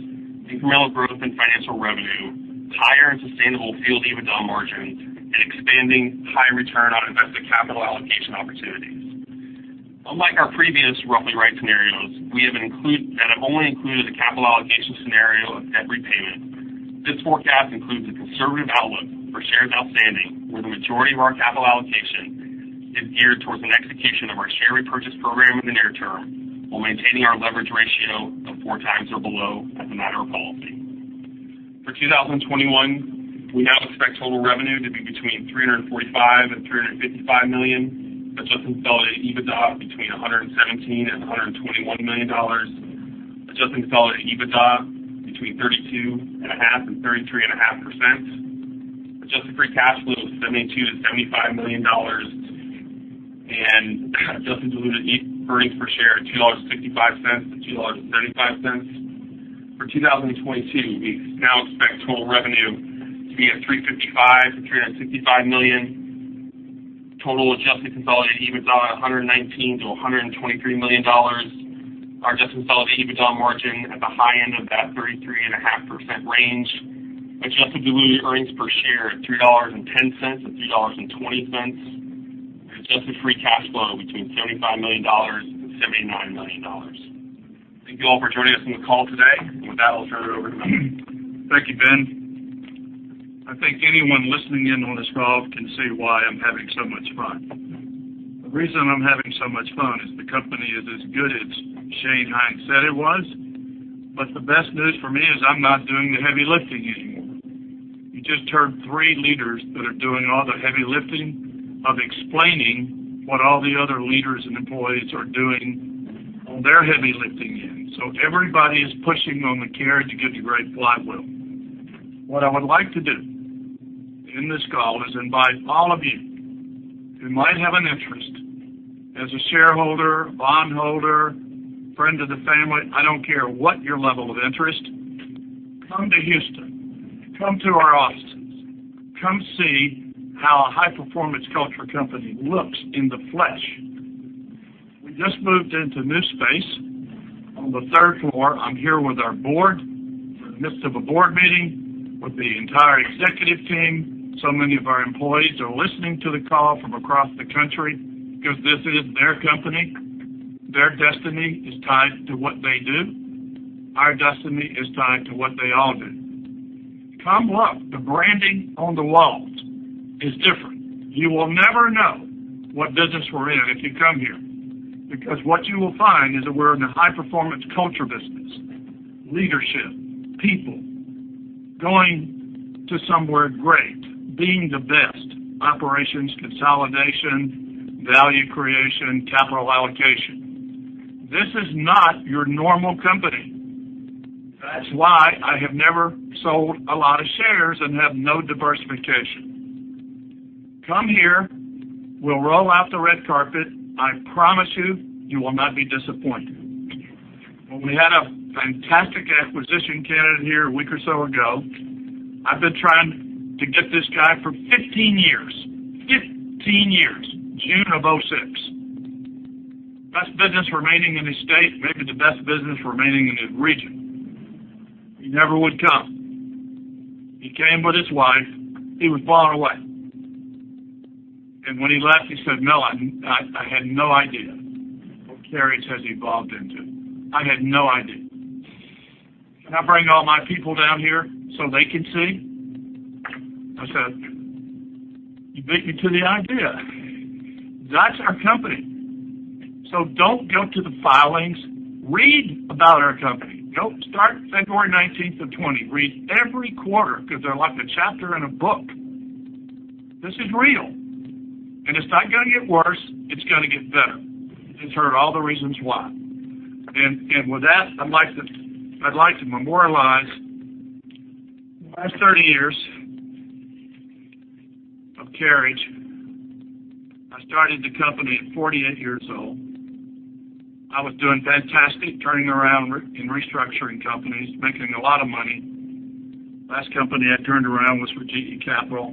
incremental growth in financial revenue, higher and sustainable Field EBITDA margins, and expanding high return on invested capital allocation opportunities. Unlike our previous roughly right scenarios that have only included a capital allocation scenario of debt repayment, this forecast includes a conservative outlook for shares outstanding, where the majority of our capital allocation is geared towards an execution of our share repurchase program in the near term, while maintaining our leverage ratio of 4x or below as a matter of policy. For 2021, we now expect total revenue to be between $345 million and $355 million, Adjusted Consolidated EBITDA between $117 million and $121 million, Adjusted Consolidated EBITDA between 32.5% and 33.5%, Adjusted Free Cash Flow of $72 million to $75 million, and Adjusted Diluted Earnings Per Share of $2.65 to $2.35. For 2022, we now expect total revenue to be at $355 million to $365 million, total Adjusted Consolidated EBITDA of $119 million to $123 million. Our Adjusted Consolidated EBITDA margin at the high end of that 33.5% range. Adjusted Diluted Earnings Per Share at $3.10 and $3.20. Adjusted Free Cash Flow between $75 million and $79 million. Thank you all for joining us on the call today. With that, I'll turn it over to [Mel Payne]. Thank you, Ben. I think anyone listening in on this call can see why I'm having so much fun. The reason I'm having so much fun is the company is as good as Shane Hinds said it was, but the best news for me is I'm not doing the heavy lifting anymore. You just heard three leaders that are doing all the heavy lifting of explaining what all the other leaders and employees are doing on their heavy lifting end. Everybody is pushing on the Carriage to give you great flywheel. What I would like to do in this call is invite all of you who might have an interest as a shareholder, bondholder, friend of the family, I don't care what your level of interest, come to Houston. Come to our offices. Come see how a high-performance culture company looks in the flesh. We just moved into a new space on the third floor. I'm here with our board. We're in the midst of a board meeting with the entire executive team. Many of our employees are listening to the call from across the country because this is their company. Their destiny is tied to what they do. Our destiny is tied to what they all do. Come look. The branding on the walls is different. You will never know what business we're in if you come here, because what you will find is that we're in the high-performance culture business. Leadership, people, going to somewhere great, being the best. Operations, consolidation, value creation, capital allocation. This is not your normal company. That's why I have never sold a lot of shares and have no diversification. Come here. We'll roll out the red carpet. I promise you will not be disappointed. When we had a fantastic acquisition candidate here a week or so ago, I've been trying to get this guy for 15 years. 15 years, June of 2006. Best business remaining in his state, maybe the best business remaining in his region. He never would come. He came with his wife. He was blown away. When he left, he said, "No, I had no idea what Carriage has evolved into. I had no idea. Can I bring all my people down here so they can see?" I said, "You beat me to the idea." That's our company. Don't go to the filings. Read about our company. Go start February 19th of 2020. Read every quarter because they're like the chapter in a book. This is real. It's not going to get worse. It's going to get better. You just heard all the reasons why. With that, I'd like to memorialize the last 30 years of Carriage. I started the company at 48 years old. I was doing fantastic turning around and restructuring companies, making a lot of money. Last company I turned around was for GE Capital,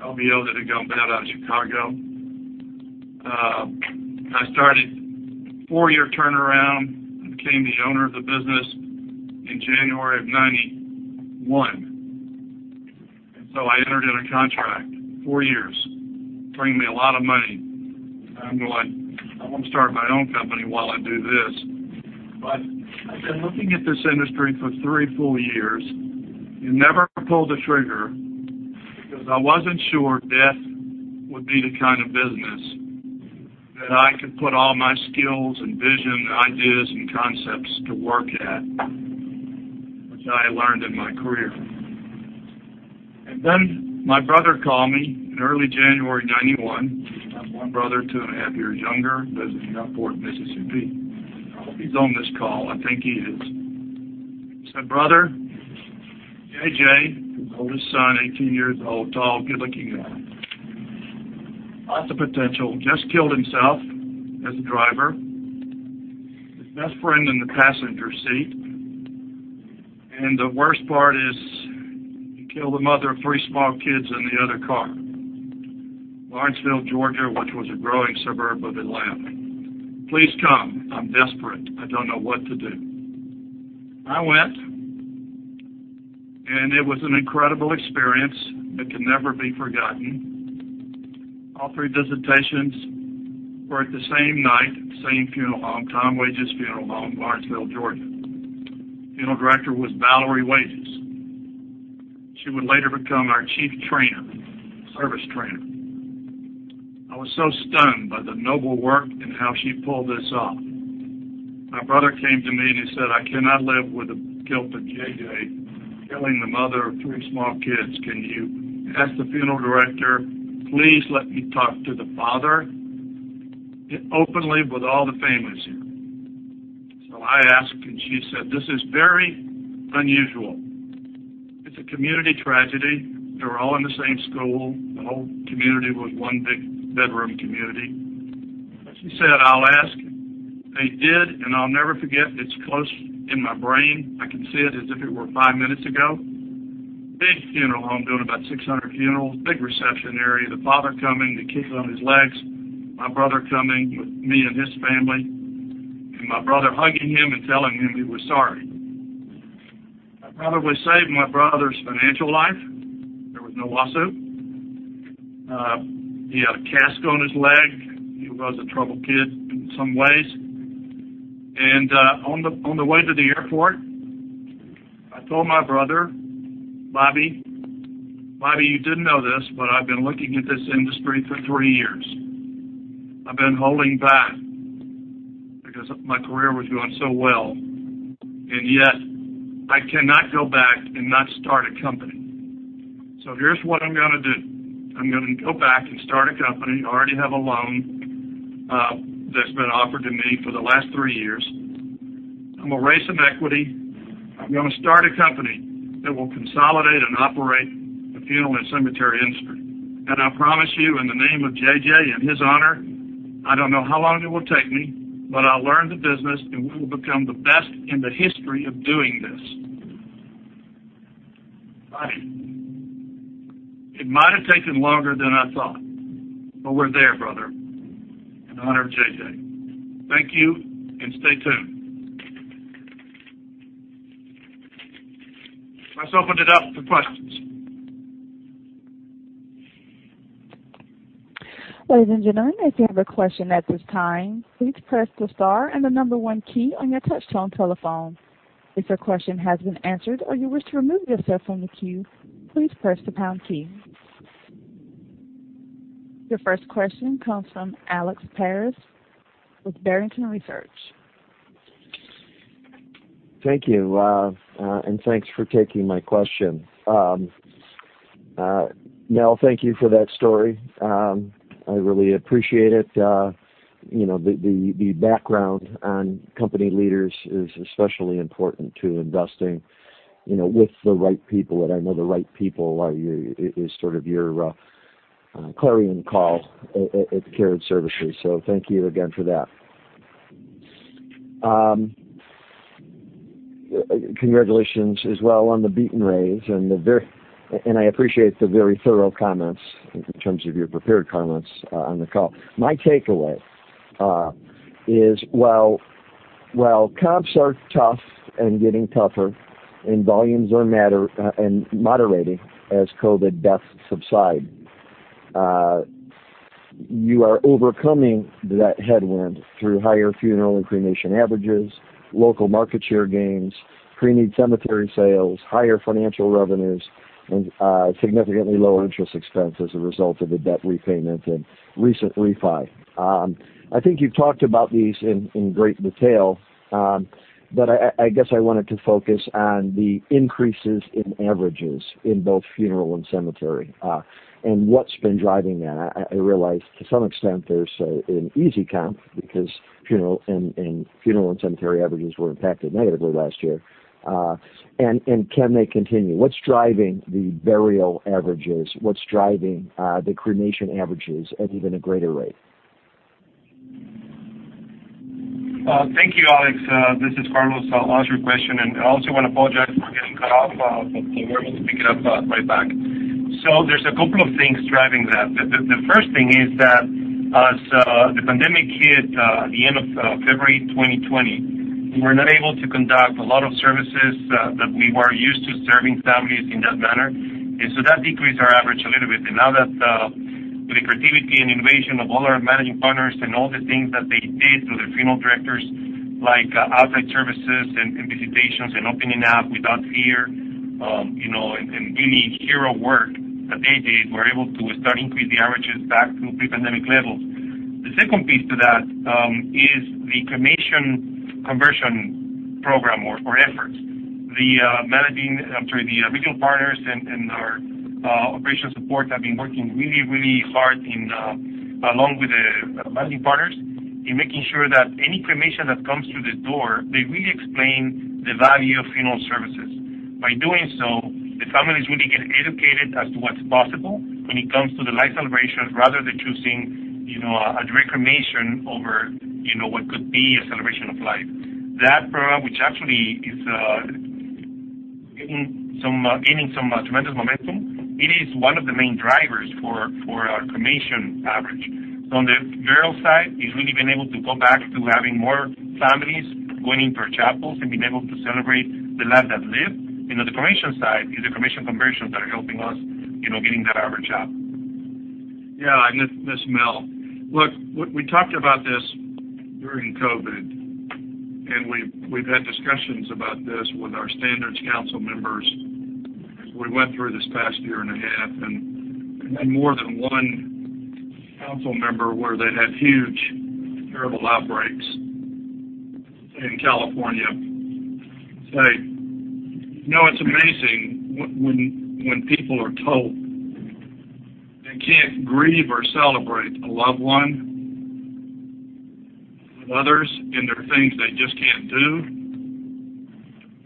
LBO that had gone bad out of Chicago. I started four-year turnaround and became the owner of the business in January of 1991. I entered in a contract, four years, bringing me a lot of money. I'm going, "I want to start my own company while I do this." I'd been looking at this industry for three full years and never pulled the trigger because I wasn't sure death would be the kind of business that I could put all my skills and vision and ideas and concepts to work at, which I learned in my career. My brother called me in early January 1991. I have one brother two and a half years younger, lives in Gulfport, Mississippi. I hope he's on this call. I think he is. Said, "Brother, JJ," his oldest son, 18 years old, tall, good-looking guy, lots of potential, just killed himself as a driver. His best friend in the passenger seat. The worst part is he killed the mother of three small kids in the other car. Lawrenceville, Georgia, which was a growing suburb of Atlanta. "Please come. I'm desperate. I don't know what to do." I went, and it was an incredible experience that can never be forgotten. All three visitations were at the same night, same funeral home, Tom Wages Funeral Home, Lawrenceville, Georgia. Funeral Director was Valerie Wages. She would later become our Chief Service Trainer. I was so stunned by the noble work and how she pulled this off. My brother came to me and he said, "I cannot live with the guilt of JJ killing the mother of three small kids. Can you ask the Funeral Director, please let me talk to the father openly with all the families here?" I asked, and she said, "This is very unusual." It's a community tragedy. They were all in the same school. The whole community was one big bedroom community. She said, "I'll ask." They did, and I'll never forget. It's close in my brain. I can see it as if it were five minutes ago. Big funeral home, doing about 600 funerals, big reception area. The father coming, the kids on his legs, my brother coming with me and his family, and my brother hugging him and telling him he was sorry. I probably saved my brother's financial life. There was no lawsuit. He had a cask on his leg. He was a troubled kid in some ways. On the way to the airport, I told my brother, "Bobby, you didn't know this, but I've been looking at this industry for three years. I've been holding back because my career was going so well, and yet I cannot go back and not start a company. Here's what I'm going to do. I'm going to go back and start a company. I already have a loan that's been offered to me for the last three years. I'm going to raise some equity. I'm going to start a company that will consolidate and operate the funeral and cemetery industry. I promise you in the name of JJ, in his honor, I don't know how long it will take me, but I'll learn the business, and we will become the best in the history of doing this. Bobby, it might have taken longer than I thought, but we're there, brother, in honor of JJ. Thank you, and stay tuned. Let's open it up for questions. Ladies and gentlemen, if you have a question at this time, please press the star and the number one key on your touchtone telephone. If your question has been answered or you wish to remove yourself from the queue, please press the pound key. Your first question comes from Alex Paris with Barrington Research. Thank you, and thanks for taking my question. Mel, thank you for that story. I really appreciate it. The background on company leaders is especially important to investing with the right people. I know the right people is sort of your clarion call at Carriage Services. Thank you again for that. Congratulations as well on the beaten raise, and I appreciate the very thorough comments in terms of your prepared comments on the call. My takeaway is while comps are tough and getting tougher and volumes are moderating as COVID deaths subside, you are overcoming that headwind through higher funeral and cremation averages, local market share gains, pre-need cemetery sales, higher financial revenues, and significantly lower interest expense as a result of the debt repayment and recent refi. I think you've talked about these in great detail. I guess I wanted to focus on the increases in averages in both funeral and cemetery and what's been driving that. I realize to some extent there's an easy comp because funeral and cemetery averages were impacted negatively last year. Can they continue? What's driving the burial averages? What's driving the cremation averages at even a greater rate? Thank you, Alex. This is Carlos. I'll answer your question, and I also want to apologize for getting cut off, but we're able to pick it up right back. There's a couple of things driving that. The first thing is that as the pandemic hit at the end of February 2020, we were not able to conduct a lot of services that we were used to serving families in that manner. That decreased our average a little bit. Now that the creativity and innovation of all our managing partners and all the things that they did through their funeral directors, like outside services and visitations and opening up without fear, and really hero work that they did, we're able to start increase the averages back to pre-pandemic levels. The second piece to that is the cremation conversion program or efforts. The regional partners and our operational support have been working really hard along with the managing partners in making sure that any cremation that comes through the door, they really explain the value of funeral services. By doing so, the families really get educated as to what's possible when it comes to the life celebrations rather than choosing a cremation over what could be a celebration of life. That program, which actually is gaining some tremendous momentum, it is one of the main drivers for our cremation average. On the funeral side, it's really been able to go back to having more families going into our chapels and being able to celebrate the life that lived. In the cremation side, it's the cremation conversions that are helping us getting that average up. Yeah. This is Mel. Look, we talked about this during COVID, and we've had discussions about this with our Standards Council members as we went through this past year and a half, and had more than one council member where they've had huge, terrible outbreaks in California say, "It's amazing when people are told they can't grieve or celebrate a loved one with others and there are things they just can't do,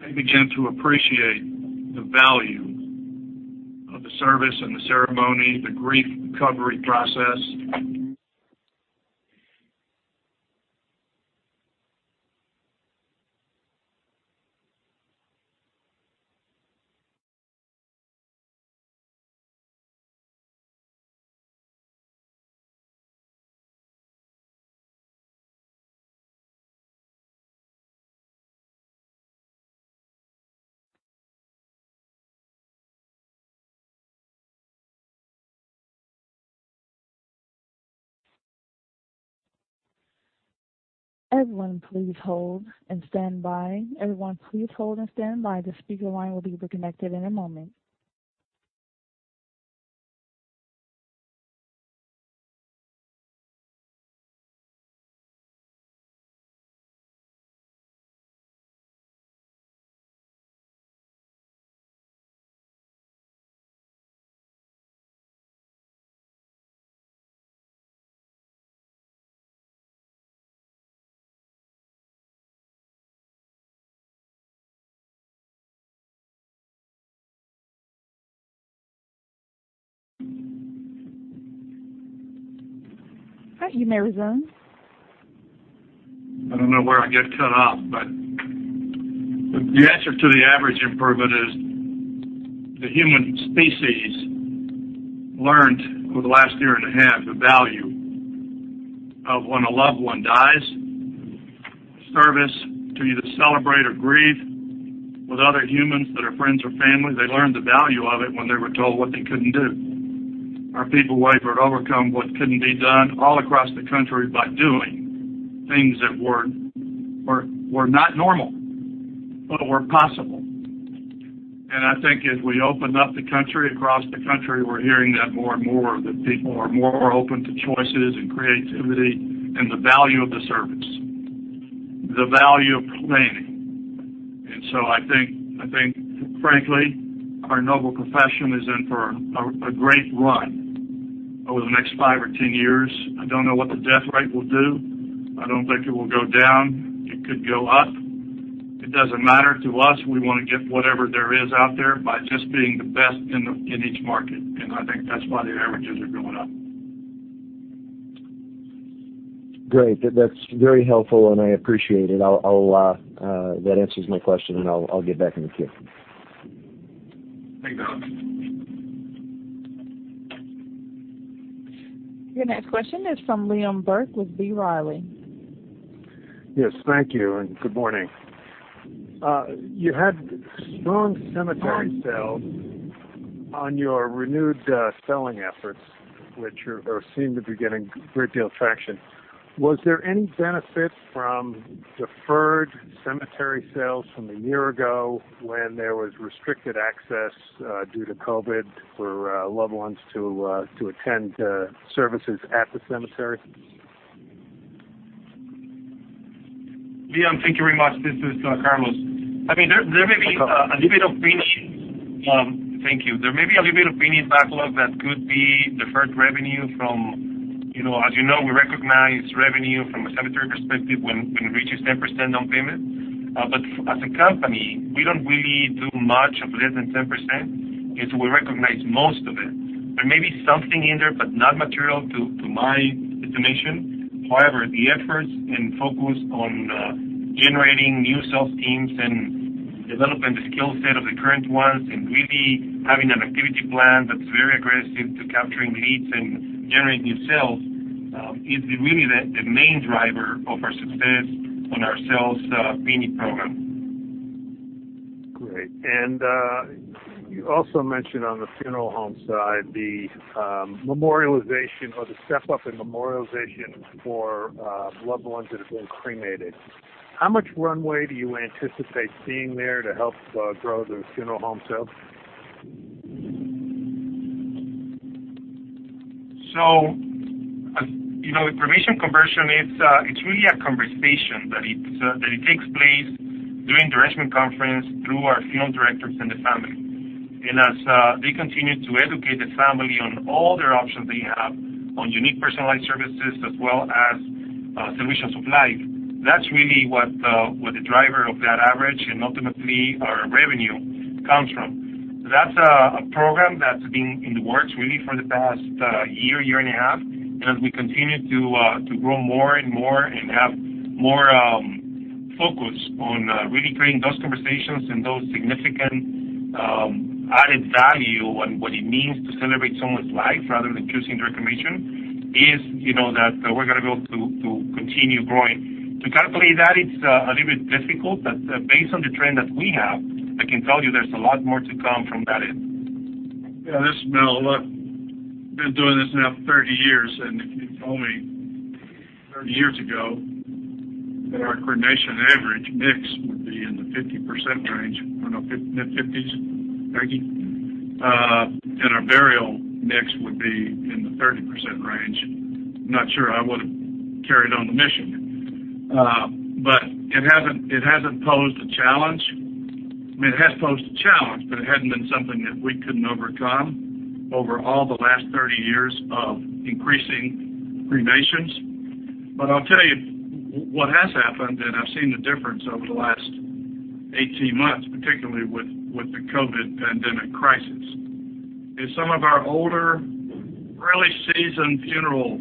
they begin to appreciate the value of the service and the ceremony, the grief recovery process. Everyone please hold and stand by. Everyone please hold and stand by. The speaker line will be reconnected in a moment. You may resume. I don't know where I get cut off. The answer to the average improvement is the human species learned over the last year and a half the value of when a loved one dies, service to either celebrate or grieve with other humans that are friends or family. They learned the value of it when they were told what they couldn't do. Our people wavered, overcome what couldn't be done all across the country by doing things that were not normal but were possible. I think as we opened up the country, across the country, we're hearing that more and more, that people are more open to choices and creativity and the value of the service, the value of planning. I think, frankly, our noble profession is in for a great run over the next five or 10 years. I don't know what the death rate will do. I don't think it will go down. It could go up. It doesn't matter to us. We want to get whatever there is out there by just being the best in each market, and I think that's why the averages are going up. Great. That's very helpful, and I appreciate it. That answers my question, and I'll get back in the queue. Thanks, Alex. Your next question is from Liam Burke with B. Riley. Yes. Thank you, and good morning. You had strong cemetery sales on your renewed selling efforts, which seem to be getting a great deal of traction. Was there any benefit from deferred cemetery sales from a year ago when there was restricted access due to COVID for loved ones to attend services at the cemetery? Liam, thank you very much. This is Carlos. No problem. Thank you. There may be a little bit of pending backlog that could be deferred revenue from, as you know, we recognize revenue from a cemetery perspective when it reaches 10% on payment. As a company, we don't really do much of less than 10%, and so we recognize most of it. There may be something in there, but not material, to my estimation. However, the efforts and focus on generating new sales teams and developing the skill set of the current ones and really having an activity plan that's very aggressive to capturing leads and generating new sales, is really the main driver of our success on our sales pending program. Great. You also mentioned on the funeral home side, the memorialization or the step-up in memorialization for loved ones that have been cremated. How much runway do you anticipate seeing there to help grow the funeral home sales? With cremation conversion, it's really a conversation that takes place during the arrangement conference through our funeral directors and the family. As they continue to educate the family on all their options they have on unique personalized services as well as celebrations of life, that's really what the driver of that average and ultimately our revenue comes from. That's a program that's been in the works really for the past year and a half, as we continue to grow more and more and have more focus on really creating those conversations and those significant added value on what it means to celebrate someone's life rather than choosing the cremation is that we're going to be able to continue growing. To calculate that, it's a little bit difficult, based on the trend that we have, I can tell you there's a lot more to come from that end. Yeah, this is Mel. Look, been doing this now for 30 years, and if you told me 30 years ago that our cremation average mix would be in the 50% range, I don't know, mid-50s, Maggie? Our burial mix would be in the 30% range, not sure I would've carried on the mission. It hasn't posed a challenge. I mean, it has posed a challenge, but it hasn't been something that we couldn't overcome over all the last 30 years of increasing cremations. I'll tell you what has happened, and I've seen the difference over the last 18 months, particularly with the COVID-19 pandemic crisis, is some of our older, really seasoned funeral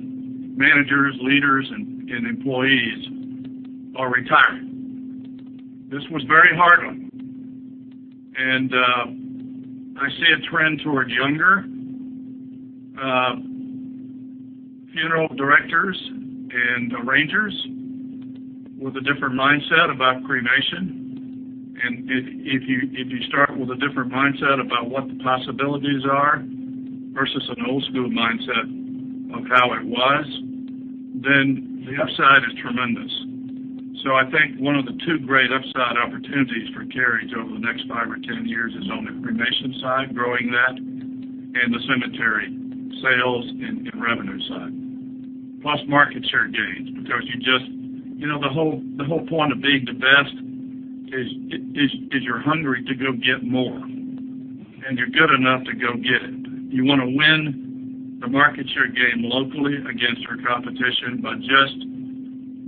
managers, leaders, and employees are retiring. This was very hard on me. I see a trend towards younger funeral directors and arrangers with a different mindset about cremation. If you start with a different mindset about what the possibilities are versus an old school mindset of how it was, then the upside is tremendous. I think one of the two great upside opportunities for Carriage over the next five or 10 years is on the cremation side, growing that, and the cemetery sales and revenue side. Plus market share gains, because the whole point of being the best is you're hungry to go get more, and you're good enough to go get it. You want to win the market share game locally against your competition by just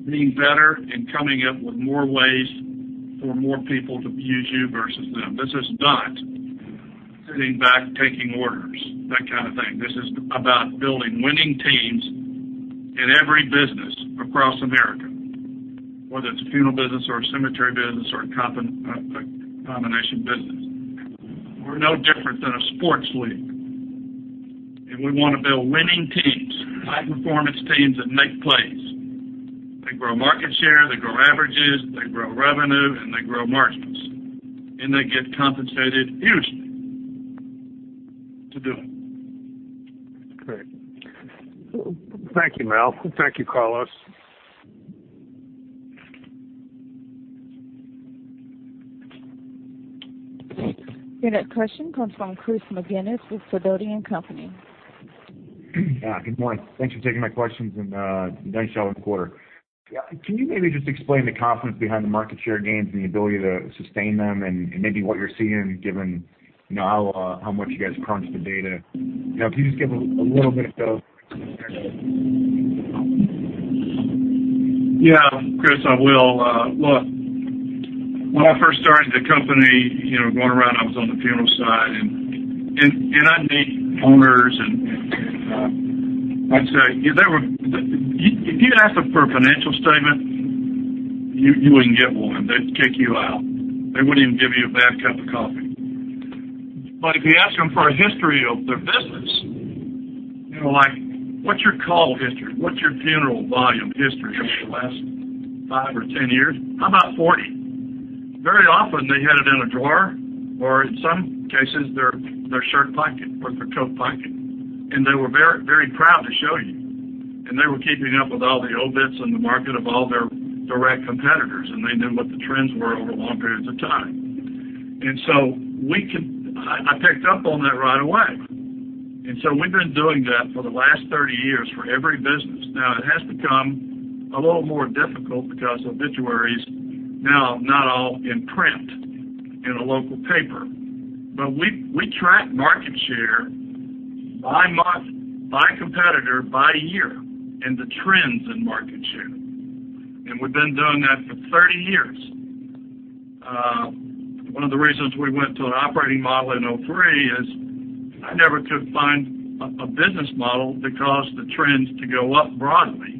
being better and coming up with more ways for more people to use you versus them. This is not sitting back taking orders, that kind of thing. This is about building winning teams in every business across America, whether it's a funeral business or a cemetery business or a combination business. We're no different than a sports league, and we want to build winning teams, high-performance teams that make plays. They grow market share, they grow averages, they grow revenue, and they grow margins. They get compensated hugely to do it. Great. Thank you, Mel. Thank you, Carlos. Your next question comes from Chris McGinnis with Sidoti & Company. Yeah, good morning. Thanks for taking my questions and nice job on the quarter. Can you maybe just explain the confidence behind the market share gains and the ability to sustain them and maybe what you're seeing given how much you guys crunch the data? Can you just give a little bit of the. Yeah, Chris, I will. Look, when I first started the company, going around, I was on the funeral side, and I'd meet owners, and I'd say, if you'd ask them for a financial statement, you wouldn't get one. They'd kick you out. They wouldn't even give you a bad cup of coffee. If you ask them for a history of their business, like, "What's your call history? What's your funeral volume history over the last five or 10 years? How about 40?" Very often, they had it in a drawer or, in some cases, their shirt pocket or their coat pocket. They were very proud to show you. They were keeping up with all the obits in the market of all their direct competitors, and they knew what the trends were over long periods of time. I picked up on that right away. We've been doing that for the last 30 years for every business. Now, it has become a little more difficult because obituaries now not all in print in a local paper. We track market share by month, by competitor, by year, and the trends in market share. We've been doing that for 30 years. One of the reasons we went to an operating model in 2003 is I never could find a business model that caused the trends to go up broadly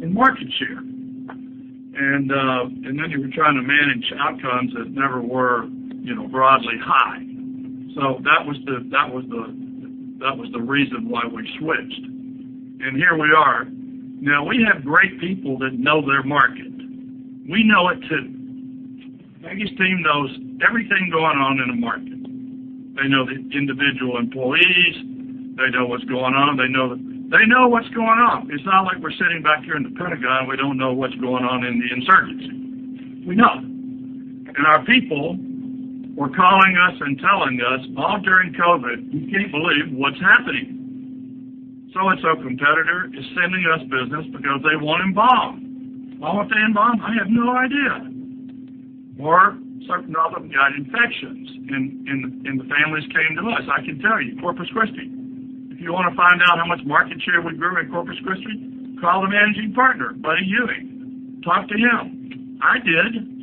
in market share. You were trying to manage outcomes that never were broadly high. That was the reason why we switched. Here we are. Now, we have great people that know their market. We know it, too. Maggie's team knows everything going on in a market. They know the individual employees. They know what's going on. They know what's going on. It's not like we're sitting back here in the Pentagon, we don't know what's going on in the insurgency. We know. Our people were calling us and telling us all during COVID, we can't believe what's happening. A competitor is sending us business because they want to embalm. Why would they embalm? I have no idea. Or certain of them got infections and the families came to us. I can tell you, Corpus Christi, if you want to find out how much market share we grew in Corpus Christi, call the Managing Partner, Buddy Ewing. Talk to him. I did.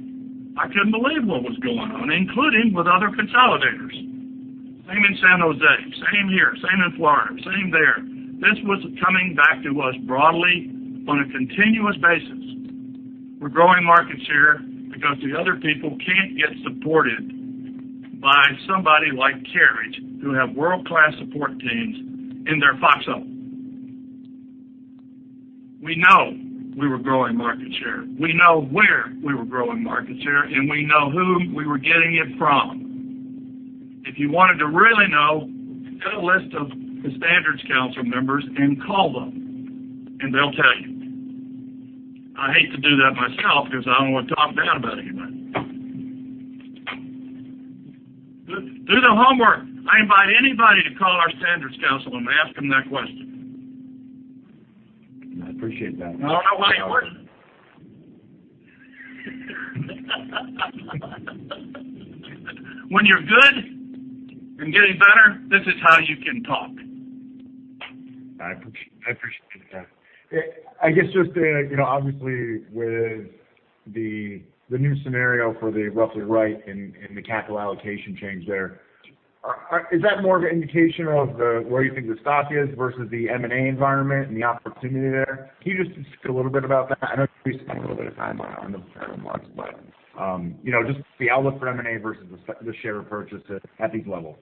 I couldn't believe what was going on, including with other consolidators. Same in San Jose, same here, same in Florida, same there. This was coming back to us broadly on a continuous basis. We're growing market share because the other people can't get supported by somebody like Carriage, who have world-class support teams in their foxhole. We know we were growing market share. We know where we were growing market share, and we know who we were getting it from. If you wanted to really know, get a list of the Standards Council members and call them, and they'll tell you. I hate to do that myself because I don't want to talk down about anybody. Do the homework. I invite anybody to call our Standards Council and ask them that question. I appreciate that. I don't know why it wasn't When you're good and getting better, this is how you can talk. I appreciate that. I guess just obviously with the new scenario for the roughly right and the capital allocation change there, is that more of an indication of where you think the stock is versus the M&A environment and the opportunity there? Can you just speak a little bit about that? I know you spent a little bit of time on the remarks. Just the outlook for M&A versus the share purchases at these levels.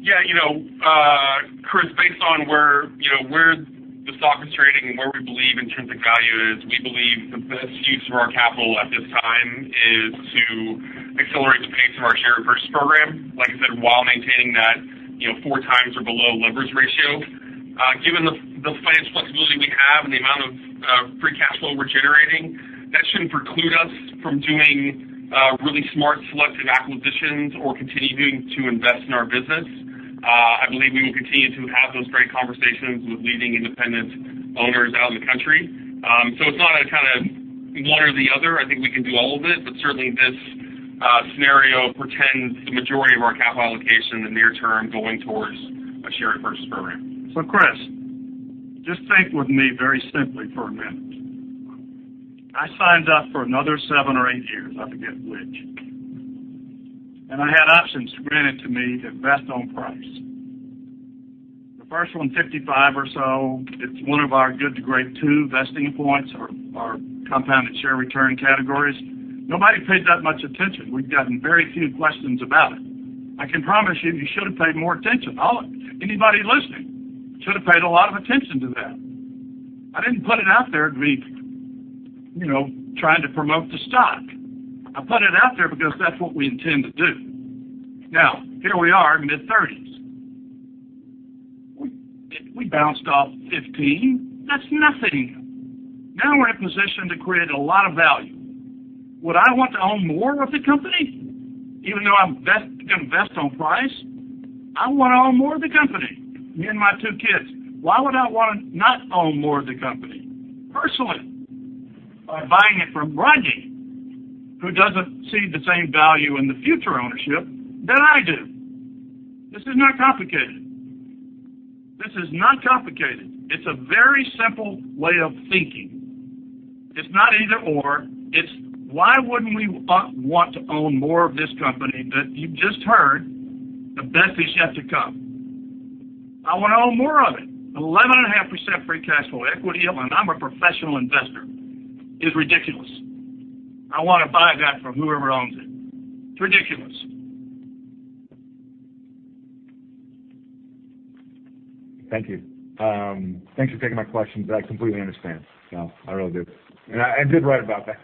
Yeah, Chris, based on where the stock is trading and where we believe intrinsic value is, we believe the best use of our capital at this time is to accelerate the pace of our share repurchase program. Like I said, while maintaining that 4x or below leverage ratio. Given the financial flexibility we have and the amount of free cash flow we're generating, that shouldn't preclude us from doing really smart selective acquisitions or continuing to invest in our business. I believe we will continue to have those great conversations with leading independent owners out in the country. It's not a kind of one or the other. I think we can do all of it, certainly this scenario portends the majority of our capital allocation in the near term going towards a share repurchase program. Chris, just think with me very simply for a minute. I signed up for another seven or eight years, I forget which. I had options granted to me to vest on price. The first one, 55 or so, it's one of our Good to Great II vesting points or our compounded share return categories. Nobody paid that much attention. We've gotten very few questions about it. I can promise you should have paid more attention. Anybody listening should have paid a lot of attention to that. I didn't put it out there to be trying to promote the stock. I put it out there because that's what we intend to do. Here we are in mid-30s. We bounced off 15. That's nothing. We're in a position to create a lot of value. Would I want to own more of the company? Even though I'm going to vest on price, I want to own more of the company, me and my two kids. Why would I want to not own more of the company personally by buying it from Rodney, who doesn't see the same value in the future ownership that I do? This is not complicated. This is not complicated. It's a very simple way of thinking. It's not either/or. It's why wouldn't we want to own more of this company that you just heard the best is yet to come. I want to own more of it. 11.5% free cash flow equity, and I'm a professional investor, is ridiculous. I want to buy that from whoever owns it. It's ridiculous. Thank you. Thanks for taking my questions. I completely understand. No, I really do. I did write about that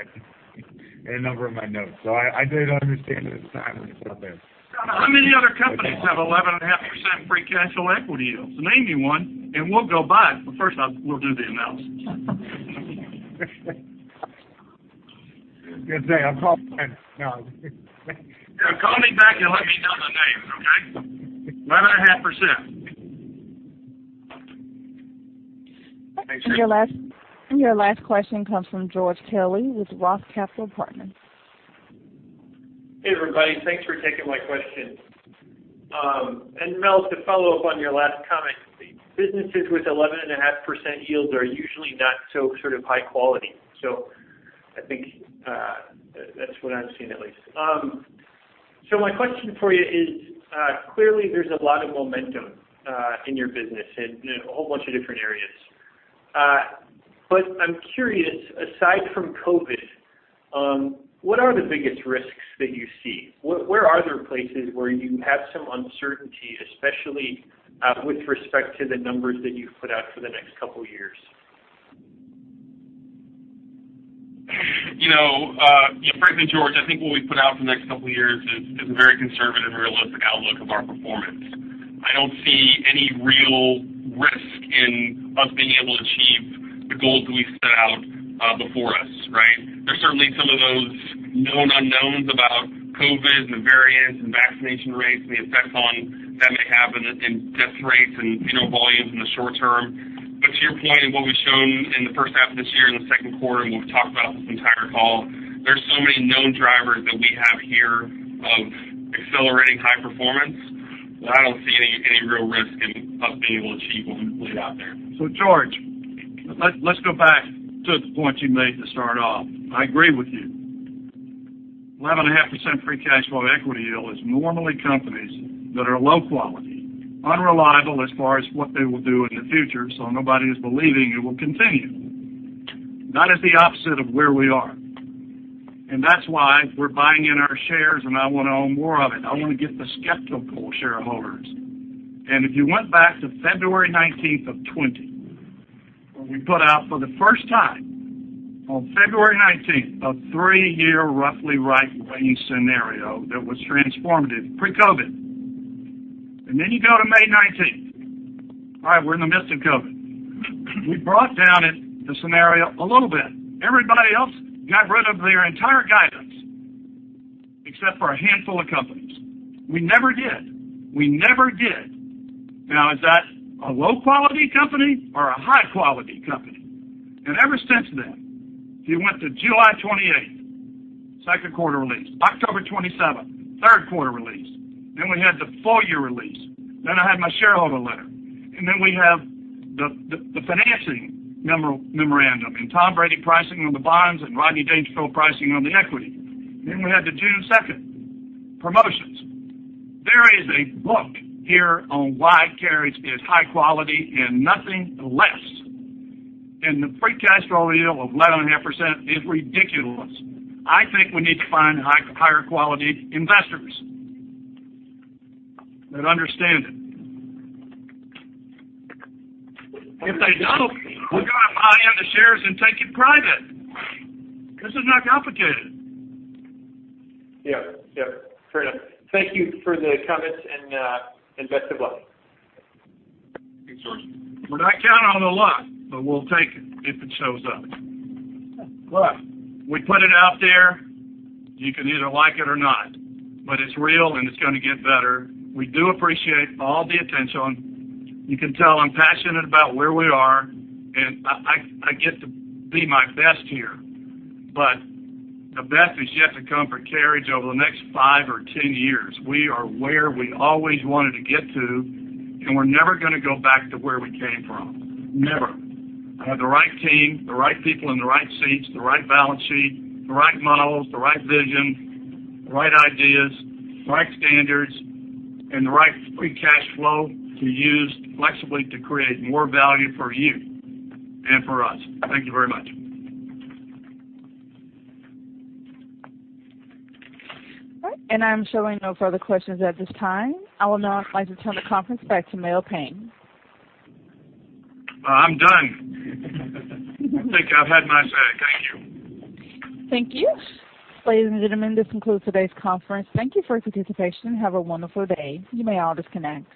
in a number of my notes, so I did understand it at the time when you put it out there. How many other companies have 11.5% free cash flow equity yields? Name me one and we'll go buy it, but first we'll do the analysis. Good day. No, I'm just kidding. Thank you. Call me back and let me know the names, okay? 11.5%. Thanks. Your last question comes from George Kelly with ROTH Capital Partners. Hey, everybody. Thanks for taking my questions. Mel, to follow up on your last comment, businesses with 11.5% yields are usually not so sort of high quality. I think that's what I'm seeing, at least. My question for you is, clearly there's a lot of momentum in your business in a whole bunch of different areas. I'm curious, aside from COVID, what are the biggest risks that you see? Where are there places where you have some uncertainty, especially with respect to the numbers that you've put out for the next couple years? Frankly, George, I think what we put out for the next couple of years is a very conservative, realistic outlook of our performance. I don't see any real risk in us being able to achieve the goals that we've set out before us, right? There's certainly some of those known unknowns about COVID and the variants and vaccination rates and the effects on that may have in death rates and volumes in the short term. To your point and what we've shown in the first half of this year, in the second quarter, and we've talked about this entire call, there's so many known drivers that we have here of accelerating high performance that I don't see any real risk in us being able to achieve what we've laid out there. George, let's go back to the point you made to start off. I agree with you. 11.5% free cash flow equity yield is normally companies that are low quality, unreliable as far as what they will do in the future, so nobody is believing it will continue. That is the opposite of where we are, and that's why we're buying in our shares and I want to own more of it. I want to get the skeptical shareholders. If you went back to February 19th of 2020, when we put out for the first time on February 19th, a three-year roughly right range scenario that was transformative pre-COVID. Then you go to May 19th. All right, we're in the midst of COVID. We brought down the scenario a little bit. Everybody else got rid of their entire guidance except for a handful of companies. We never did. Now, is that a low-quality company or a high-quality company? Ever since then, if you went to July 28th, second quarter release, October 27th, third quarter release, we had the full year release, I had my shareholder letter, we have the financing memorandum and Tom Brady pricing on the bonds and Rodney Dangerfield pricing on the equity. We had the June 2nd promotions. There is a book here on why Carriage is high-quality and nothing less. The free cash flow yield of 11.5% is ridiculous. I think we need to find higher quality investors that understand it. If they don't, we're going to buy in the shares and take it private. This is not complicated. Yeah. Fair enough. Thank you for the comments and best of luck. Thanks, George. We're not counting on the luck. We'll take it if it shows up. Look, we put it out there. You can either like it or not. It's real and it's going to get better. We do appreciate all the attention. You can tell I'm passionate about where we are, and I get to be my best here, but the best is yet to come for Carriage over the next five or 10 years. We are where we always wanted to get to, and we're never going to go back to where we came from. Never. I have the right team, the right people in the right seats, the right balance sheet, the right models, the right vision, the right ideas, the right standards, and the right free cash flow to use flexibly to create more value for you and for us. Thank you very much. All right. I'm showing no further questions at this time. I would now like to turn the conference back to Mel Payne. Well, I'm done. I think I've had my say. Thank you. Thank you. Ladies and gentlemen, this concludes today's conference. Thank you for your participation. Have a wonderful day. You may all disconnect.